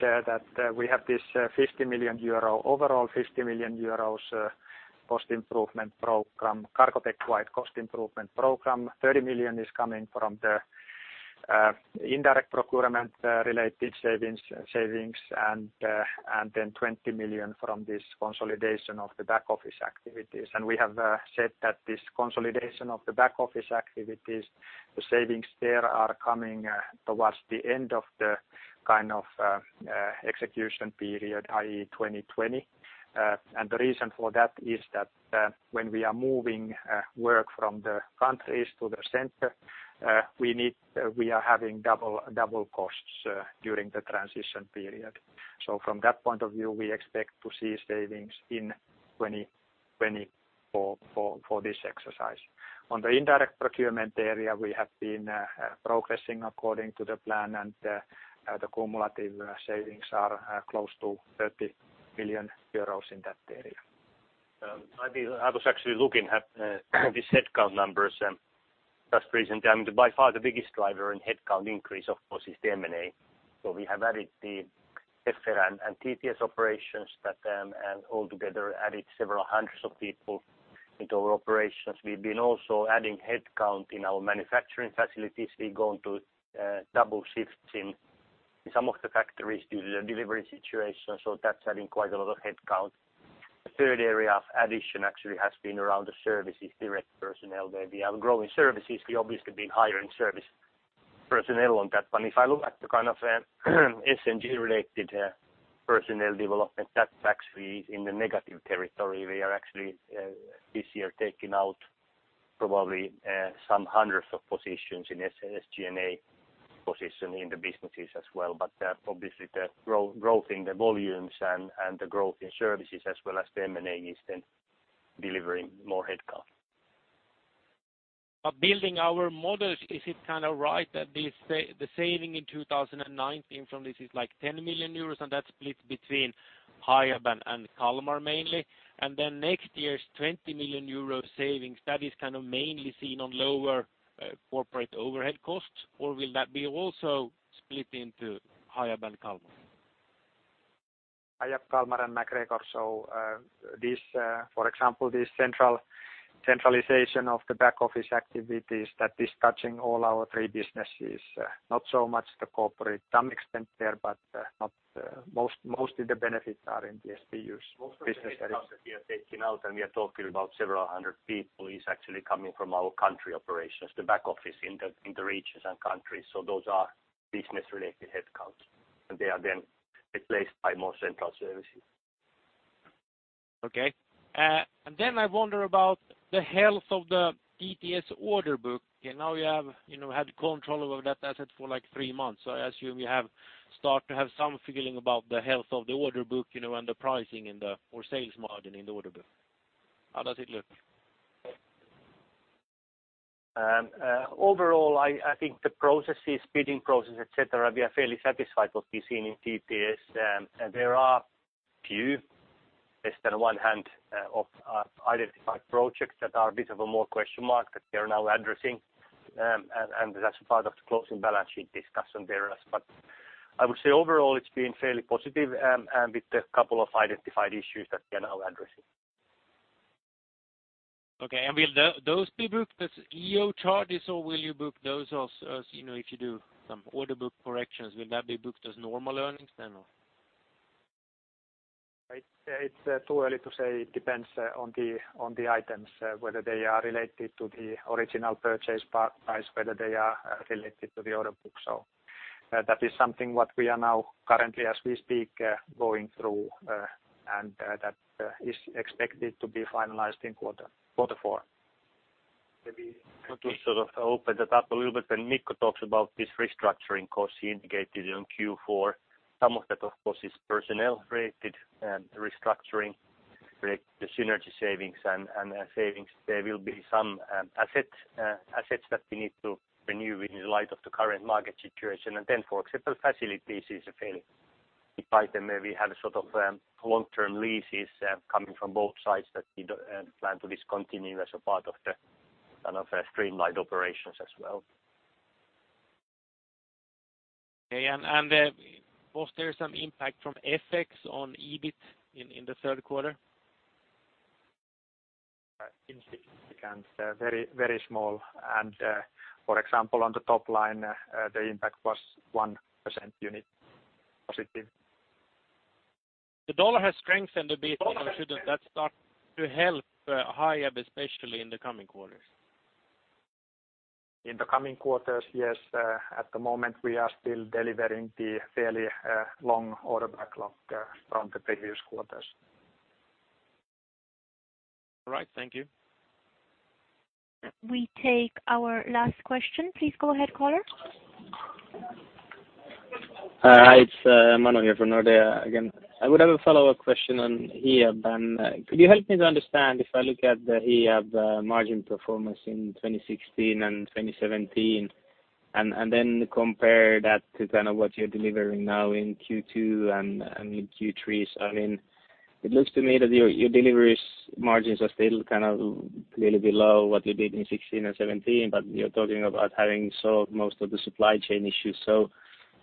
that we have this overall 50 million euros cost improvement program, Cargotec-wide cost improvement program. 30 million is coming from the indirect procurement-related savings. 20 million from this consolidation of the back-office activities. We have said that this consolidation of the back-office activities, the savings there are coming towards the end of the kind of execution period, i.e., 2020. The reason for that is that when we are moving work from the countries to the center we are having double costs during the transition period. From that point of view, we expect to see savings in 2020 for this exercise. On the indirect procurement area, we have been progressing according to the plan, and the cumulative savings are close to 30 million euros in that area. I was actually looking at these headcount numbers just recently. I mean, by far the biggest driver in headcount increase, of course, is the M&A. We have added the EFFER and TTS operations that have altogether added several hundreds of people into our operations. We've been also adding headcount in our manufacturing facilities. We've gone to double shifts in some of the factories due to the delivery situation, so that's adding quite a lot of headcount. The third area of addition actually has been around the services, direct personnel there. We are growing services. We obviously been hiring service personnel on that one. If I look at the kind of SG&A-related personnel development, that's actually in the negative territory. We are actually this year taking out probably some hundreds of positions in SG&A position in the businesses as well. Obviously the growth in the volumes and the growth in services as well as the M&A is then delivering more headcount. Building our models, is it kind of right that the saving in 2019 from this is like 10 million euros, and that's split between Hiab and Kalmar mainly? Next year's 20 million euro savings, that is kind of mainly seen on lower corporate overhead costs, or will that be also split into Hiab and Kalmar? Hi, I have Kalmar and MacGregor. For example, this centralization of the back-office activities that is touching all our three businesses, not so much the corporate. Some extent there, but mostly the benefits are in the SPU business. Most of the headcounts that we are taking out, and we are talking about several hundred people, is actually coming from our country operations, the back office in the regions and countries. Those are business-related headcounts. They are then replaced by more central services. Okay. I wonder about the health of the TTS order book. You have had control over that asset for three months. I assume you have started to have some feeling about the health of the order book, and the pricing or sales margin in the order book. How does it look? Overall, I think the processes, bidding process, et cetera, we are fairly satisfied what we see in DTS. There are few, less than one hand of identified projects that are a bit of a more question mark that they are now addressing. That's part of the closing balance sheet discussion there. I would say overall it's been fairly positive and with a couple of identified issues that we are now addressing. Okay. Will those be booked as EO charges or will you book those as, if you do some order book corrections, will that be booked as normal earnings then? It's too early to say. It depends on the items, whether they are related to the original purchase part price, whether they are related to the order book. That is something what we are now currently as we speak, going through, and that is expected to be finalized in quarter four. Maybe to sort of open that up a little bit when Mikko talks about this restructuring cost he indicated in Q4. Some of that, of course, is personnel-related and restructuring-related, the synergy savings and savings. There will be some assets that we need to renew in light of the current market situation. Then, for example, facilities is a fairly item. We have sort of long-term leases coming from both sides that we plan to discontinue as a part of the kind of streamlined operations as well. Okay. Was there some impact from FX on EBIT in the third quarter? Insignificant. Very small. For example, on the top line, the impact was 1% unit positive. The dollar has strengthened a bit. Shouldn't that start to help Hiab especially in the coming quarters? In the coming quarters, yes. At the moment we are still delivering the fairly long order backlog from the previous quarters. All right. Thank you. We take our last question. Please go ahead, caller. Hi, it's Emmanuel here from Nordea again. I would have a follow-up question on Hiab. Could you help me to understand if I look at the Hiab margin performance in 2016 and 2017, then compare that to kind of what you're delivering now in Q2 and in Q3. It looks to me that your deliveries margins are still kind of clearly below what you did in 2016 and 2017. You're talking about having solved most of the supply chain issues.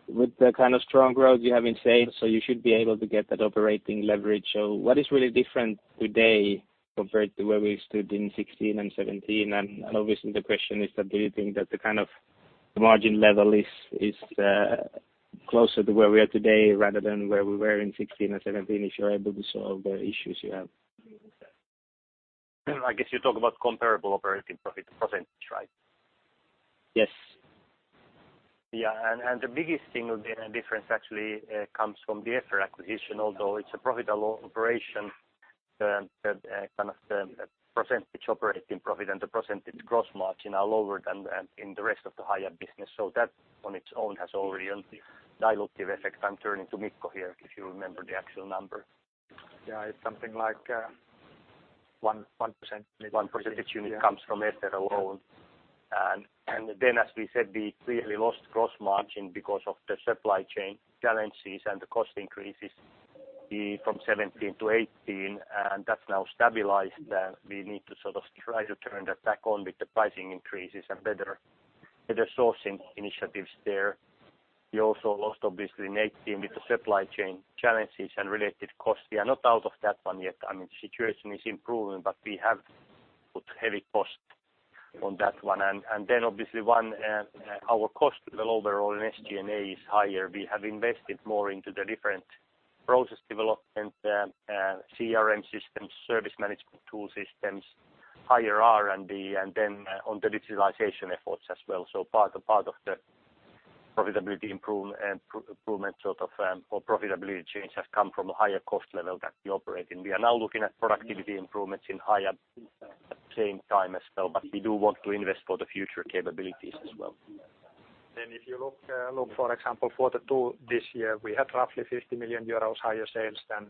With the kind of strong growth you have been saying, so you should be able to get that operating leverage. What is really different today compared to where we stood in 2016 and 2017? Obviously the question is that do you think that the kind of margin level is closer to where we are today rather than where we were in 2016 and 2017 if you are able to solve the issues you have? I guess you talk about comparable operating profit %, right? Yes. Yeah. The biggest single difference actually comes from the EFFER acquisition, although it's a profitable operation, the kind of the percentage operating profit and the percentage gross margin are lower than in the rest of the Hiab business. That on its own has already a dilutive effect. I'm turning to Mikko here if you remember the actual number. Yeah, it's something like 1%. 1% unit comes from EFFER alone. As we said, we clearly lost gross margin because of the supply chain challenges and the cost increases from 2017-2018, and that's now stabilized. We need to sort of try to turn that back on with the pricing increases and better sourcing initiatives there. We also lost, obviously in 2018 with the supply chain challenges and related costs. We are not out of that one yet. I mean, the situation is improving, we have put heavy cost on that one. Obviously our cost level overall in SG&A is higher. We have invested more into the different process development, CRM systems, service management tool systems, higher R&D, on the digitalization efforts as well. Part of the profitability improvement sort of or profitability change has come from a higher cost level that we operate in. We are now looking at productivity improvements in Hiab at the same time as well, we do want to invest for the future capabilities as well. If you look for example, quarter 2 this year, we had roughly 50 million euros higher sales than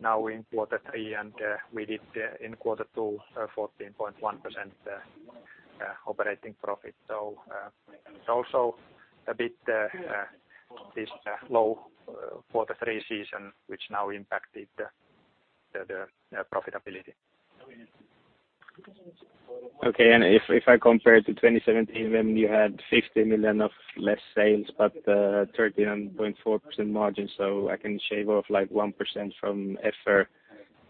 now in quarter 3, and we did in quarter 2 14.1% operating profit. It's also a bit this low quarter 3 season, which now impacted the profitability. Okay. If I compare to 2017 when you had 50 million of less sales but 39.4% margin, so I can shave off like 1% from EFFER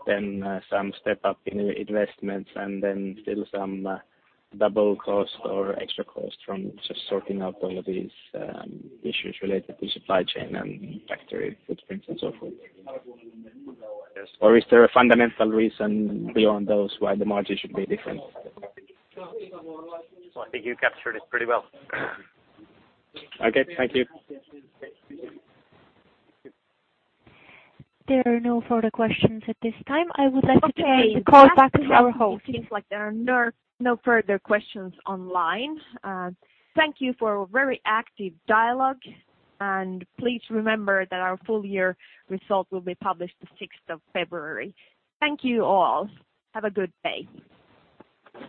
then some step up in investments and then still some double cost or extra cost from just sorting out all of these issues related to supply chain and factory footprints and so forth. Yes. Is there a fundamental reason beyond those why the margin should be different? I think you captured it pretty well. Okay. Thank you. There are no further questions at this time. I would like to turn the call back to our host. Okay. It seems like there are no further questions online. Thank you for a very active dialogue. Please remember that our full year results will be published the 6th of February. Thank you all. Have a good day.